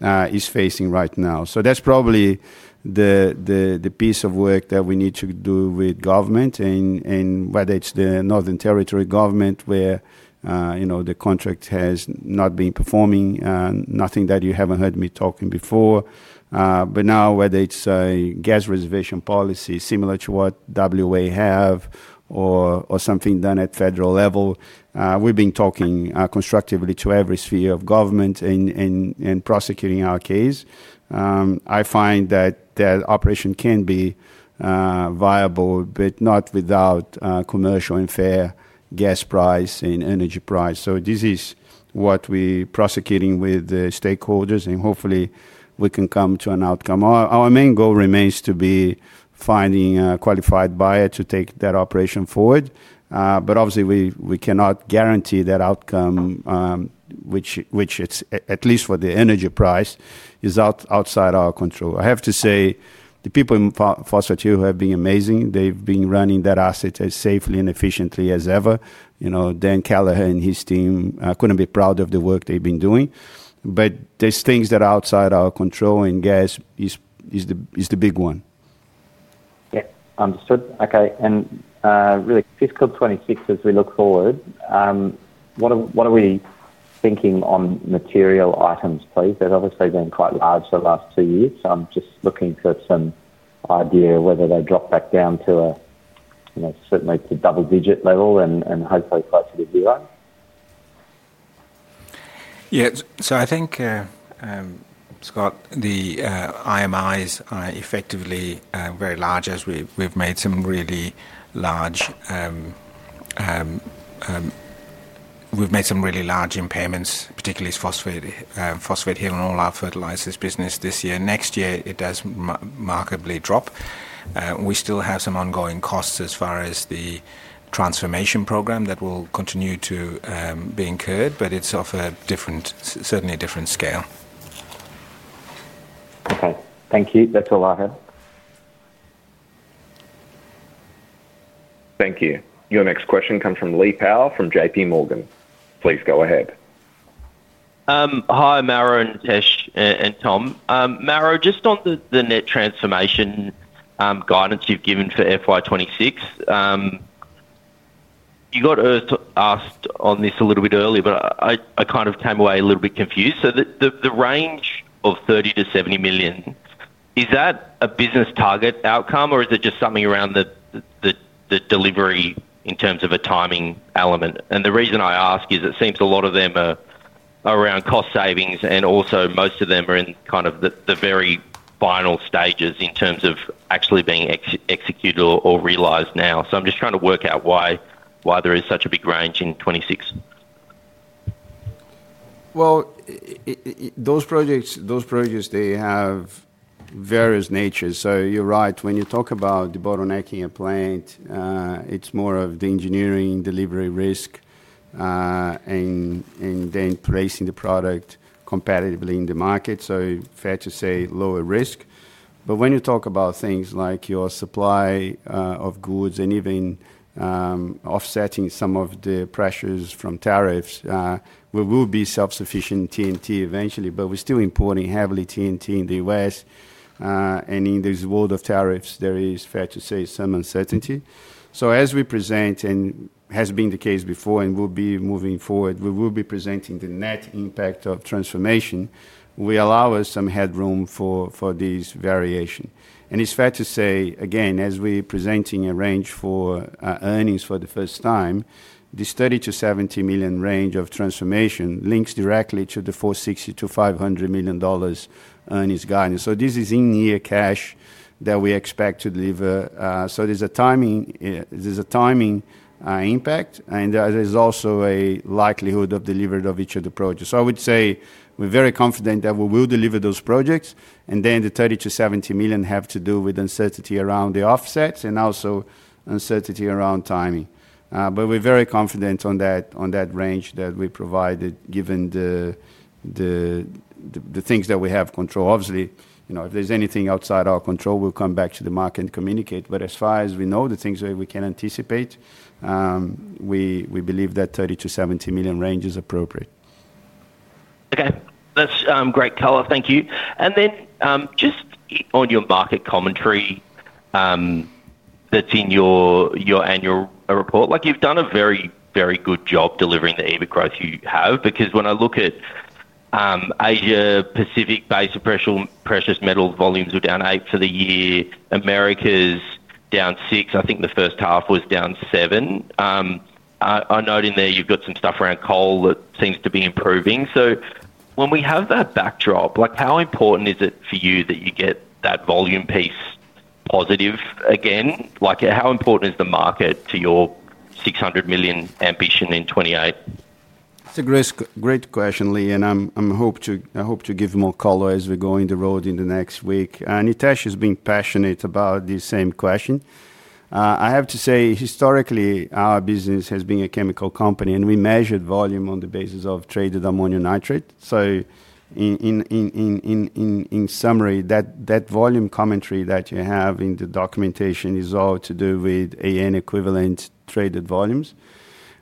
is facing right now. That's probably the piece of work that we need to do with government, and whether it's the Northern Territory government where the contract has not been performing, nothing that you haven't heard me talking before. Now, whether it's a gas reservation policy similar to what W.A. have or something done at federal level, we've been talking constructively to every sphere of government and prosecuting our case. I find that the operation can be viable, but not without commercial and fair gas price and energy price. This is what we're prosecuting with the stakeholders, and hopefully, we can come to an outcome. Our main goal remains to be finding a qualified buyer to take that operation forward. Obviously, we cannot guarantee that outcome, which, at least for the energy price, is outside our control. I have to say, the people in Phosphate Hill have been amazing. They've been running that asset as safely and efficiently as ever. Dan Kelleher and his team could not be prouder of the work they've been doing. There are things that are outside our control, and gas is the big one.
Yeah. Understood. Okay. Really, fiscal 2026 as we look forward, what are we thinking on material items, please? They've obviously been quite large the last two years. I'm just looking for some idea whether they drop back down to certainly to double-digit level and hopefully closer to zero.
Yeah. I think, Scott, the IMIs are effectively very large, as we've made some really large impairments, particularly with Phosphate Hill and all our fertilizers business this year. Next year, it does markedly drop. We still have some ongoing costs as far as the transformation program that will continue to be incurred, but it's of a certainly different scale.
Okay. Thank you. That's all I have.
Thank you. Your next question comes from Lee Power from JPMorgan. Please go ahead.
Hi, Mauro, Nitesh, and Tom. Mauro, just on the net transformation guidance you've given for FY2026, you got asked on this a little bit earlier, but I kind of came away a little bit confused. The range of 30 million-70 million, is that a business target outcome, or is it just something around the delivery in terms of a timing element? The reason I ask is it seems a lot of them are around cost savings, and also most of them are in kind of the very final stages in terms of actually being executed or realized now. I'm just trying to work out why there is such a big range in 2026.
Those projects, they have various natures. You're right. When you talk about the bottlenecking of plant, it's more of the engineering delivery risk and then pricing the product competitively in the market. Fair to say lower risk. When you talk about things like your supply of goods and even offsetting some of the pressures from tariffs, we will be self-sufficient TNT eventually, but we're still importing heavily TNT in the U.S. In this world of tariffs, there is, fair to say, some uncertainty. As we present, and as has been the case before, and we'll be moving forward, we will be presenting the net impact of transformation will allow us some headroom for this variation. It's fair to say, again, as we're presenting a range for earnings for the first time, this 30 million-70 million range of transformation links directly to the 460 million-500 million dollars earnings guidance. This is in-year cash that we expect to deliver. There's a timing impact, and there's also a likelihood of delivery of each of the projects. I would say we're very confident that we will deliver those projects. The 30 million-70 million have to do with uncertainty around the offsets and also uncertainty around timing. We're very confident on that range that we provided given the things that we have control. Obviously, if there's anything outside our control, we'll come back to the market and communicate. As far as we know, the things that we can anticipate, we believe that 30 million-70 million range is appropriate.
Okay. That's great color. Thank you. Then just on your market commentary that's in your annual report, you've done a very, very good job delivering the EBIT growth you have. Because when I look at Asia Pacific, basic pressures, metal volumes were down 8% for the year. America's down 6%. I think the first half was down 7%. I noted there you've got some stuff around coal that seems to be improving. When we have that backdrop, how important is it for you that you get that volume piece positive again? How important is the market to your 600 million ambition in 2028?
It's a great question, Lee, and I hope to give more color as we go in the road in the next week. Nitesh has been passionate about the same question. I have to say, historically, our business has been a chemical company, and we measured volume on the basis of traded ammonium nitrate. In summary, that volume commentary that you have in the documentation is all to do with AN equivalent traded volumes,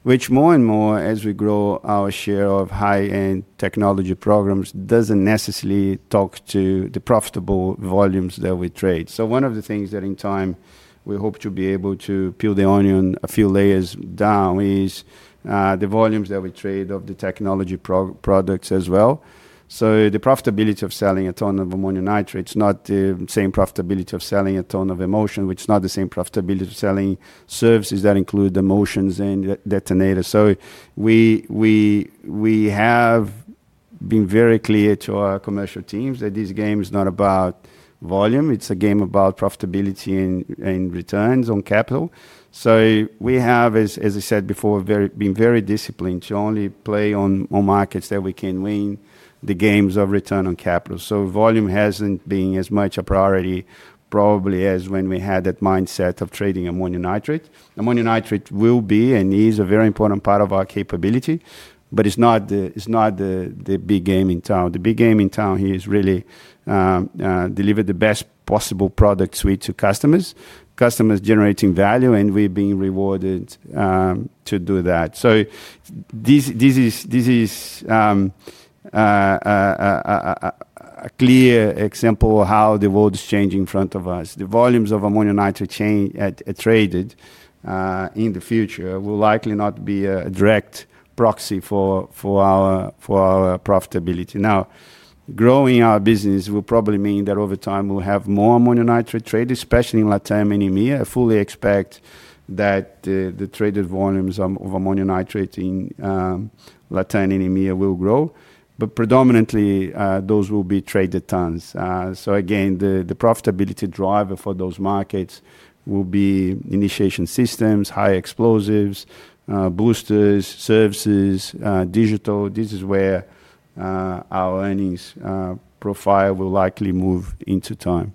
which more and more, as we grow our share of high-end technology programs, does not necessarily talk to the profitable volumes that we trade. One of the things that in time we hope to be able to peel the onion a few layers down is the volumes that we trade of the technology products as well. The profitability of selling a tonne of ammonium nitrate is not the same profitability of selling a tonne of emulsion, which is not the same profitability of selling services that include emulsions and detonators. We have been very clear to our commercial teams that this game is not about volume. It is a game about profitability and returns on capital. We have, as I said before, been very disciplined to only play on markets that we can win the games of return on capital. Volume has not been as much a priority probably as when we had that mindset of trading ammonium nitrate. Ammonium nitrate will be and is a very important part of our capability, but it is not the big game in town. The big game in town here is really deliver the best possible product suite to customers, customers generating value, and we're being rewarded to do that. This is a clear example of how the world is changing in front of us. The volumes of ammonium nitrate traded in the future will likely not be a direct proxy for our profitability. Now, growing our business will probably mean that over time, we'll have more ammonium nitrate traded, especially in LATAM and EMEA. I fully expect that the traded volumes of ammonium nitrate in LATAM and EMEA will grow, but predominantly, those will be traded tonnes. Again, the profitability driver for those markets will be initiation systems, high explosives, boosters, services, digital. This is where our earnings profile will likely move into time.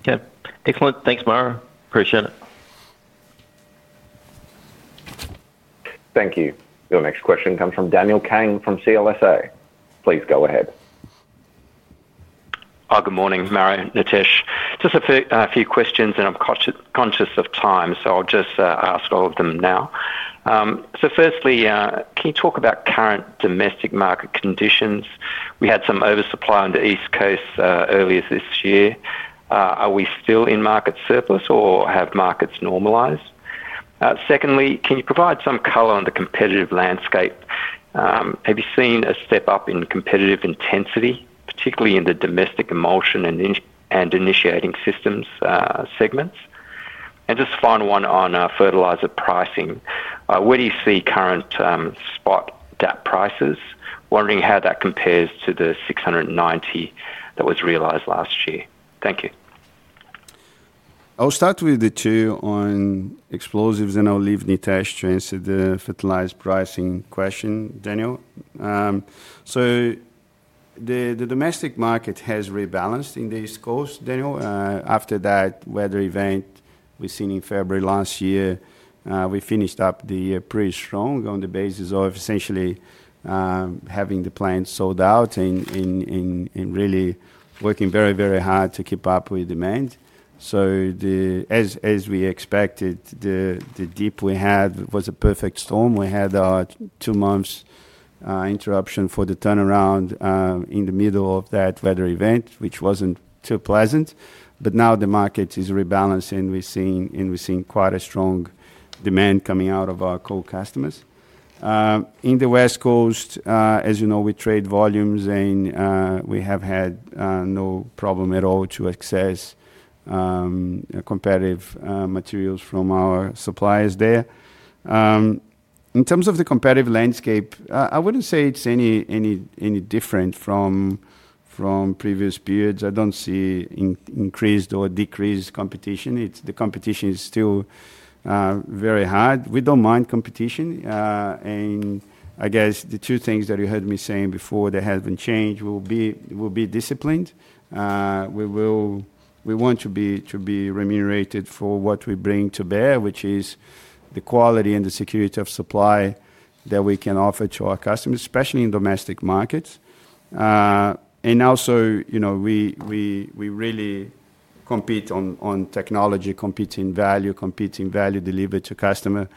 Okay. Excellent. Thanks, Mauro. Appreciate it.
Thank you. Your next question comes from Daniel Kang from CLSA. Please go ahead.
Good morning, Mauro, Nitesh. Just a few questions, and I'm conscious of time, so I'll just ask all of them now. Firstly, can you talk about current domestic market conditions? We had some oversupply on the East Coast earlier this year. Are we still in market surplus, or have markets normalized? Secondly, can you provide some color on the competitive landscape? Have you seen a step up in competitive intensity, particularly in the domestic emulsion and initiating systems segments? Just a final one on fertilizer pricing. Where do you see current spot DAP prices? Wondering how that compares to the 690 that was realized last year. Thank you.
I'll start with the two on explosives, and I'll leave Nitesh to answer the fertilizer pricing question, Daniel. The domestic market has rebalanced in the East Coast, Daniel. After that weather event we have seen in February last year, we finished up the year pretty strong on the basis of essentially having the plant sold out and really working very, very hard to keep up with demand. As we expected, the dip we had was a perfect storm. We had our two-month interruption for the turnaround in the middle of that weather event, which was not too pleasant. Now the market is rebalancing, and we have seen quite a strong demand coming out of our coal customers. In the West Coast, as you know, we trade volumes, and we have had no problem at all to access competitive materials from our suppliers there. In terms of the competitive landscape, I would not say it is any different from previous periods. I do not see increased or decreased competition. The competition is still very hard. We do not mind competition. I guess the two things that you heard me saying before that have been changed will be disciplined. We want to be remunerated for what we bring to bear, which is the quality and the security of supply that we can offer to our customers, especially in domestic markets. Also, we really compete on technology, competing value, competing value delivered to customer.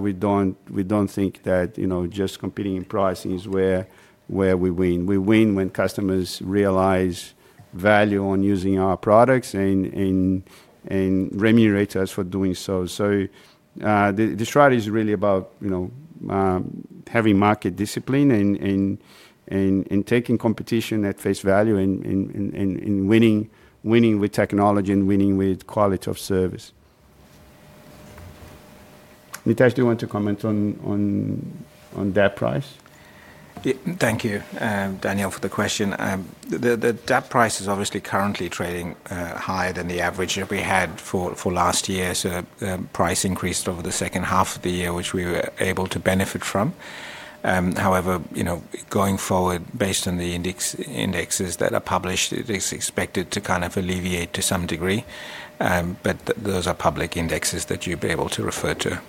We do not think that just competing in pricing is where we win. We win when customers realize value on using our products and remunerate us for doing so. The strategy is really about having market discipline and taking competition at face value and winning with technology and winning with quality of service. Nitesh, do you want to comment on DAP price?
Thank you, Daniel, for the question. The DAP price is obviously currently trading higher than the average that we had for last year. The price increased over the second half of the year, which we were able to benefit from. However, going forward, based on the indexes that are published, it is expected to kind of alleviate to some degree. Those are public indexes that you'll be able to refer to.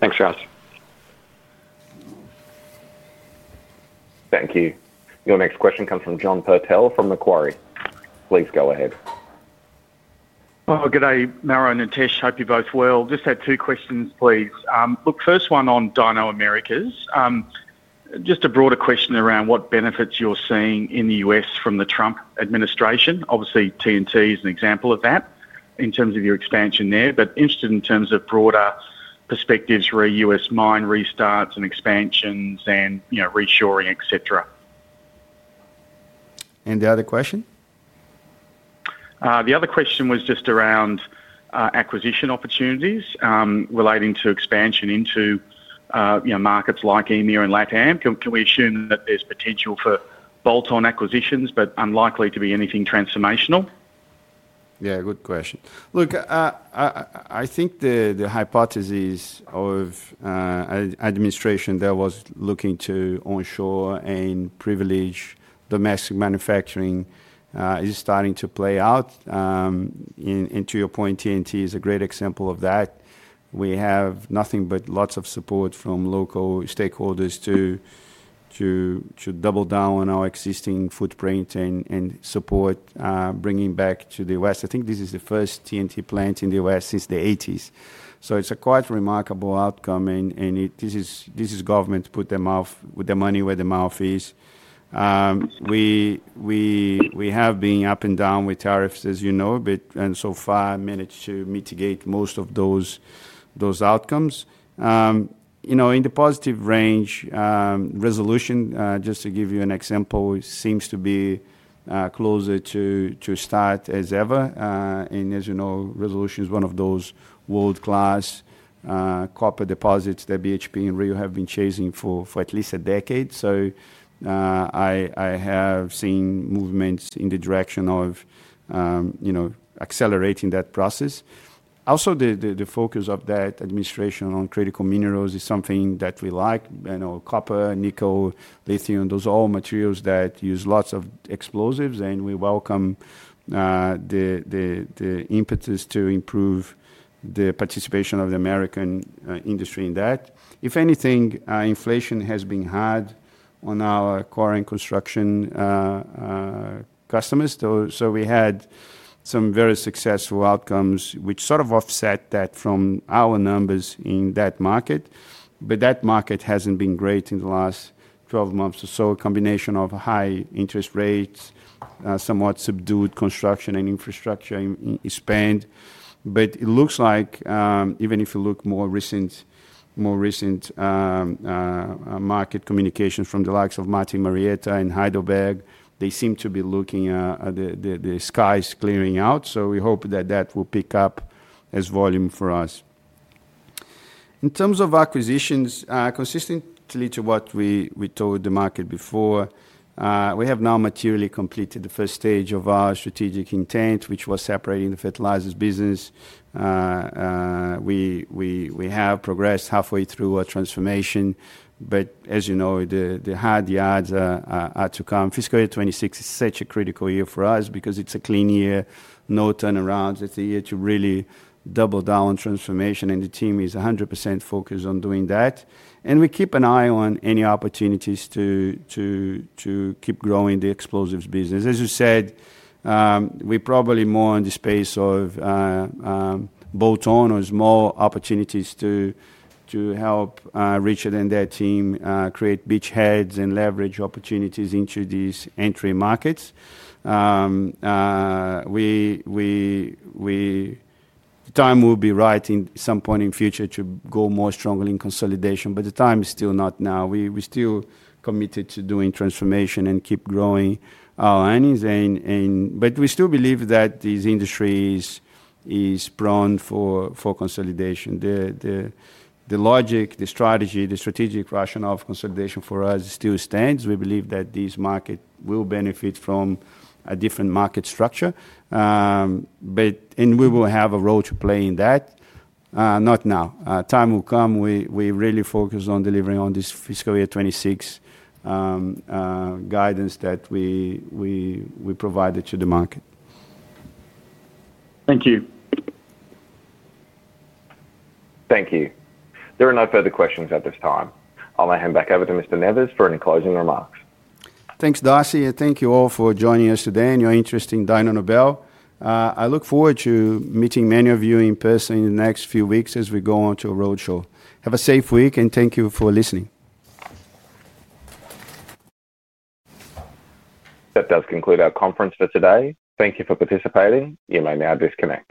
Thanks, guys.
Thank you. Your next question comes from John Purtell from Macquarie. Please go ahead.
Oh, good day. Mauro, Nitesh, hope you're both well. Just had two questions, please. Look, first one on Dyno Americas. Just a broader question around what benefits you're seeing in the U.S. from the Trump administration? Obviously, TNT is an example of that in terms of your expansion there, but interested in terms of broader perspectives for U.S. mine restarts and expansions and reshoring, etc.
And the other question?
The other question was just around acquisition opportunities relating to expansion into markets like EMEA and LATAM. Can we assume that there's potential for bolt-on acquisitions, but unlikely to be anything transformational?
Yeah, good question. Look, I think the hypothesis of an administration that was looking to onshore and privilege domestic manufacturing is starting to play out. To your point, TNT is a great example of that. We have nothing but lots of support from local stakeholders to double down on our existing footprint and support bringing back to the U.S. I think this is the first TNT plant in the U.S. since the 1980s. It is a quite remarkable outcome, and this is government to put their money where their mouth is. We have been up and down with tariffs, as you know, and so far managed to mitigate most of those outcomes. In the positive range, Resolution, just to give you an example, seems to be closer to start as ever. As you know, Resolution is one of those world-class copper deposits that BHP and Rio Tinto have been chasing for at least a decade. I have seen movements in the direction of accelerating that process. Also, the focus of that administration on critical minerals is something that we like. Copper and nickel, lithium, those are all materials that use lots of explosives, and we welcome the impetus to improve the participation of the American industry in that. If anything, inflation has been hard on our current construction customers. We had some very successful outcomes, which sort of offset that from our numbers in that market. That market has not been great in the last 12 months or so. A combination of high interest rates, somewhat subdued construction and infrastructure in Spain. It looks like, even if you look at more recent market communications from the likes of Martin Marietta and Heidelberg, they seem to be looking at the skies clearing out. We hope that that will pick up as volume for us. In terms of acquisitions, consistently to what we told the market before, we have now materially completed the first stage of our strategic intent, which was separating the fertilizers business. We have progressed halfway through our transformation, but as you know, the hard yards are to come. Fiscal year 2026 is such a critical year for us because it is a clean year, no turnarounds. It is a year to really double down on transformation, and the team is 100% focused on doing that. We keep an eye on any opportunities to keep growing the explosives business. As you said, we're probably more in the space of bolt-on or small opportunities to help Richard and their team create beachheads and leverage opportunities into these entry markets. The time will be right at some point in future to go more strongly in consolidation, but the time is still not now. We're still committed to doing transformation and keep growing our earnings. We still believe that this industry is prone for consolidation. The logic, the strategy, the strategic rationale of consolidation for us still stands. We believe that this market will benefit from a different market structure, and we will have a role to play in that. Not now. The time will come. We really focus on delivering on this fiscal year 2026 guidance that we provided to the market.
Thank you.
Thank you. There are no further questions at this time. I'll now hand back over to Mr. Neves for any closing remarks.
Thanks, [Darcy], and thank you all for joining us today and your interest in Dyno Nobel. I look forward to meeting many of you in person in the next few weeks as we go on to a roadshow. Have a safe week, and thank you for listening.
That does conclude our conference for today. Thank you for participating. You may now disconnect.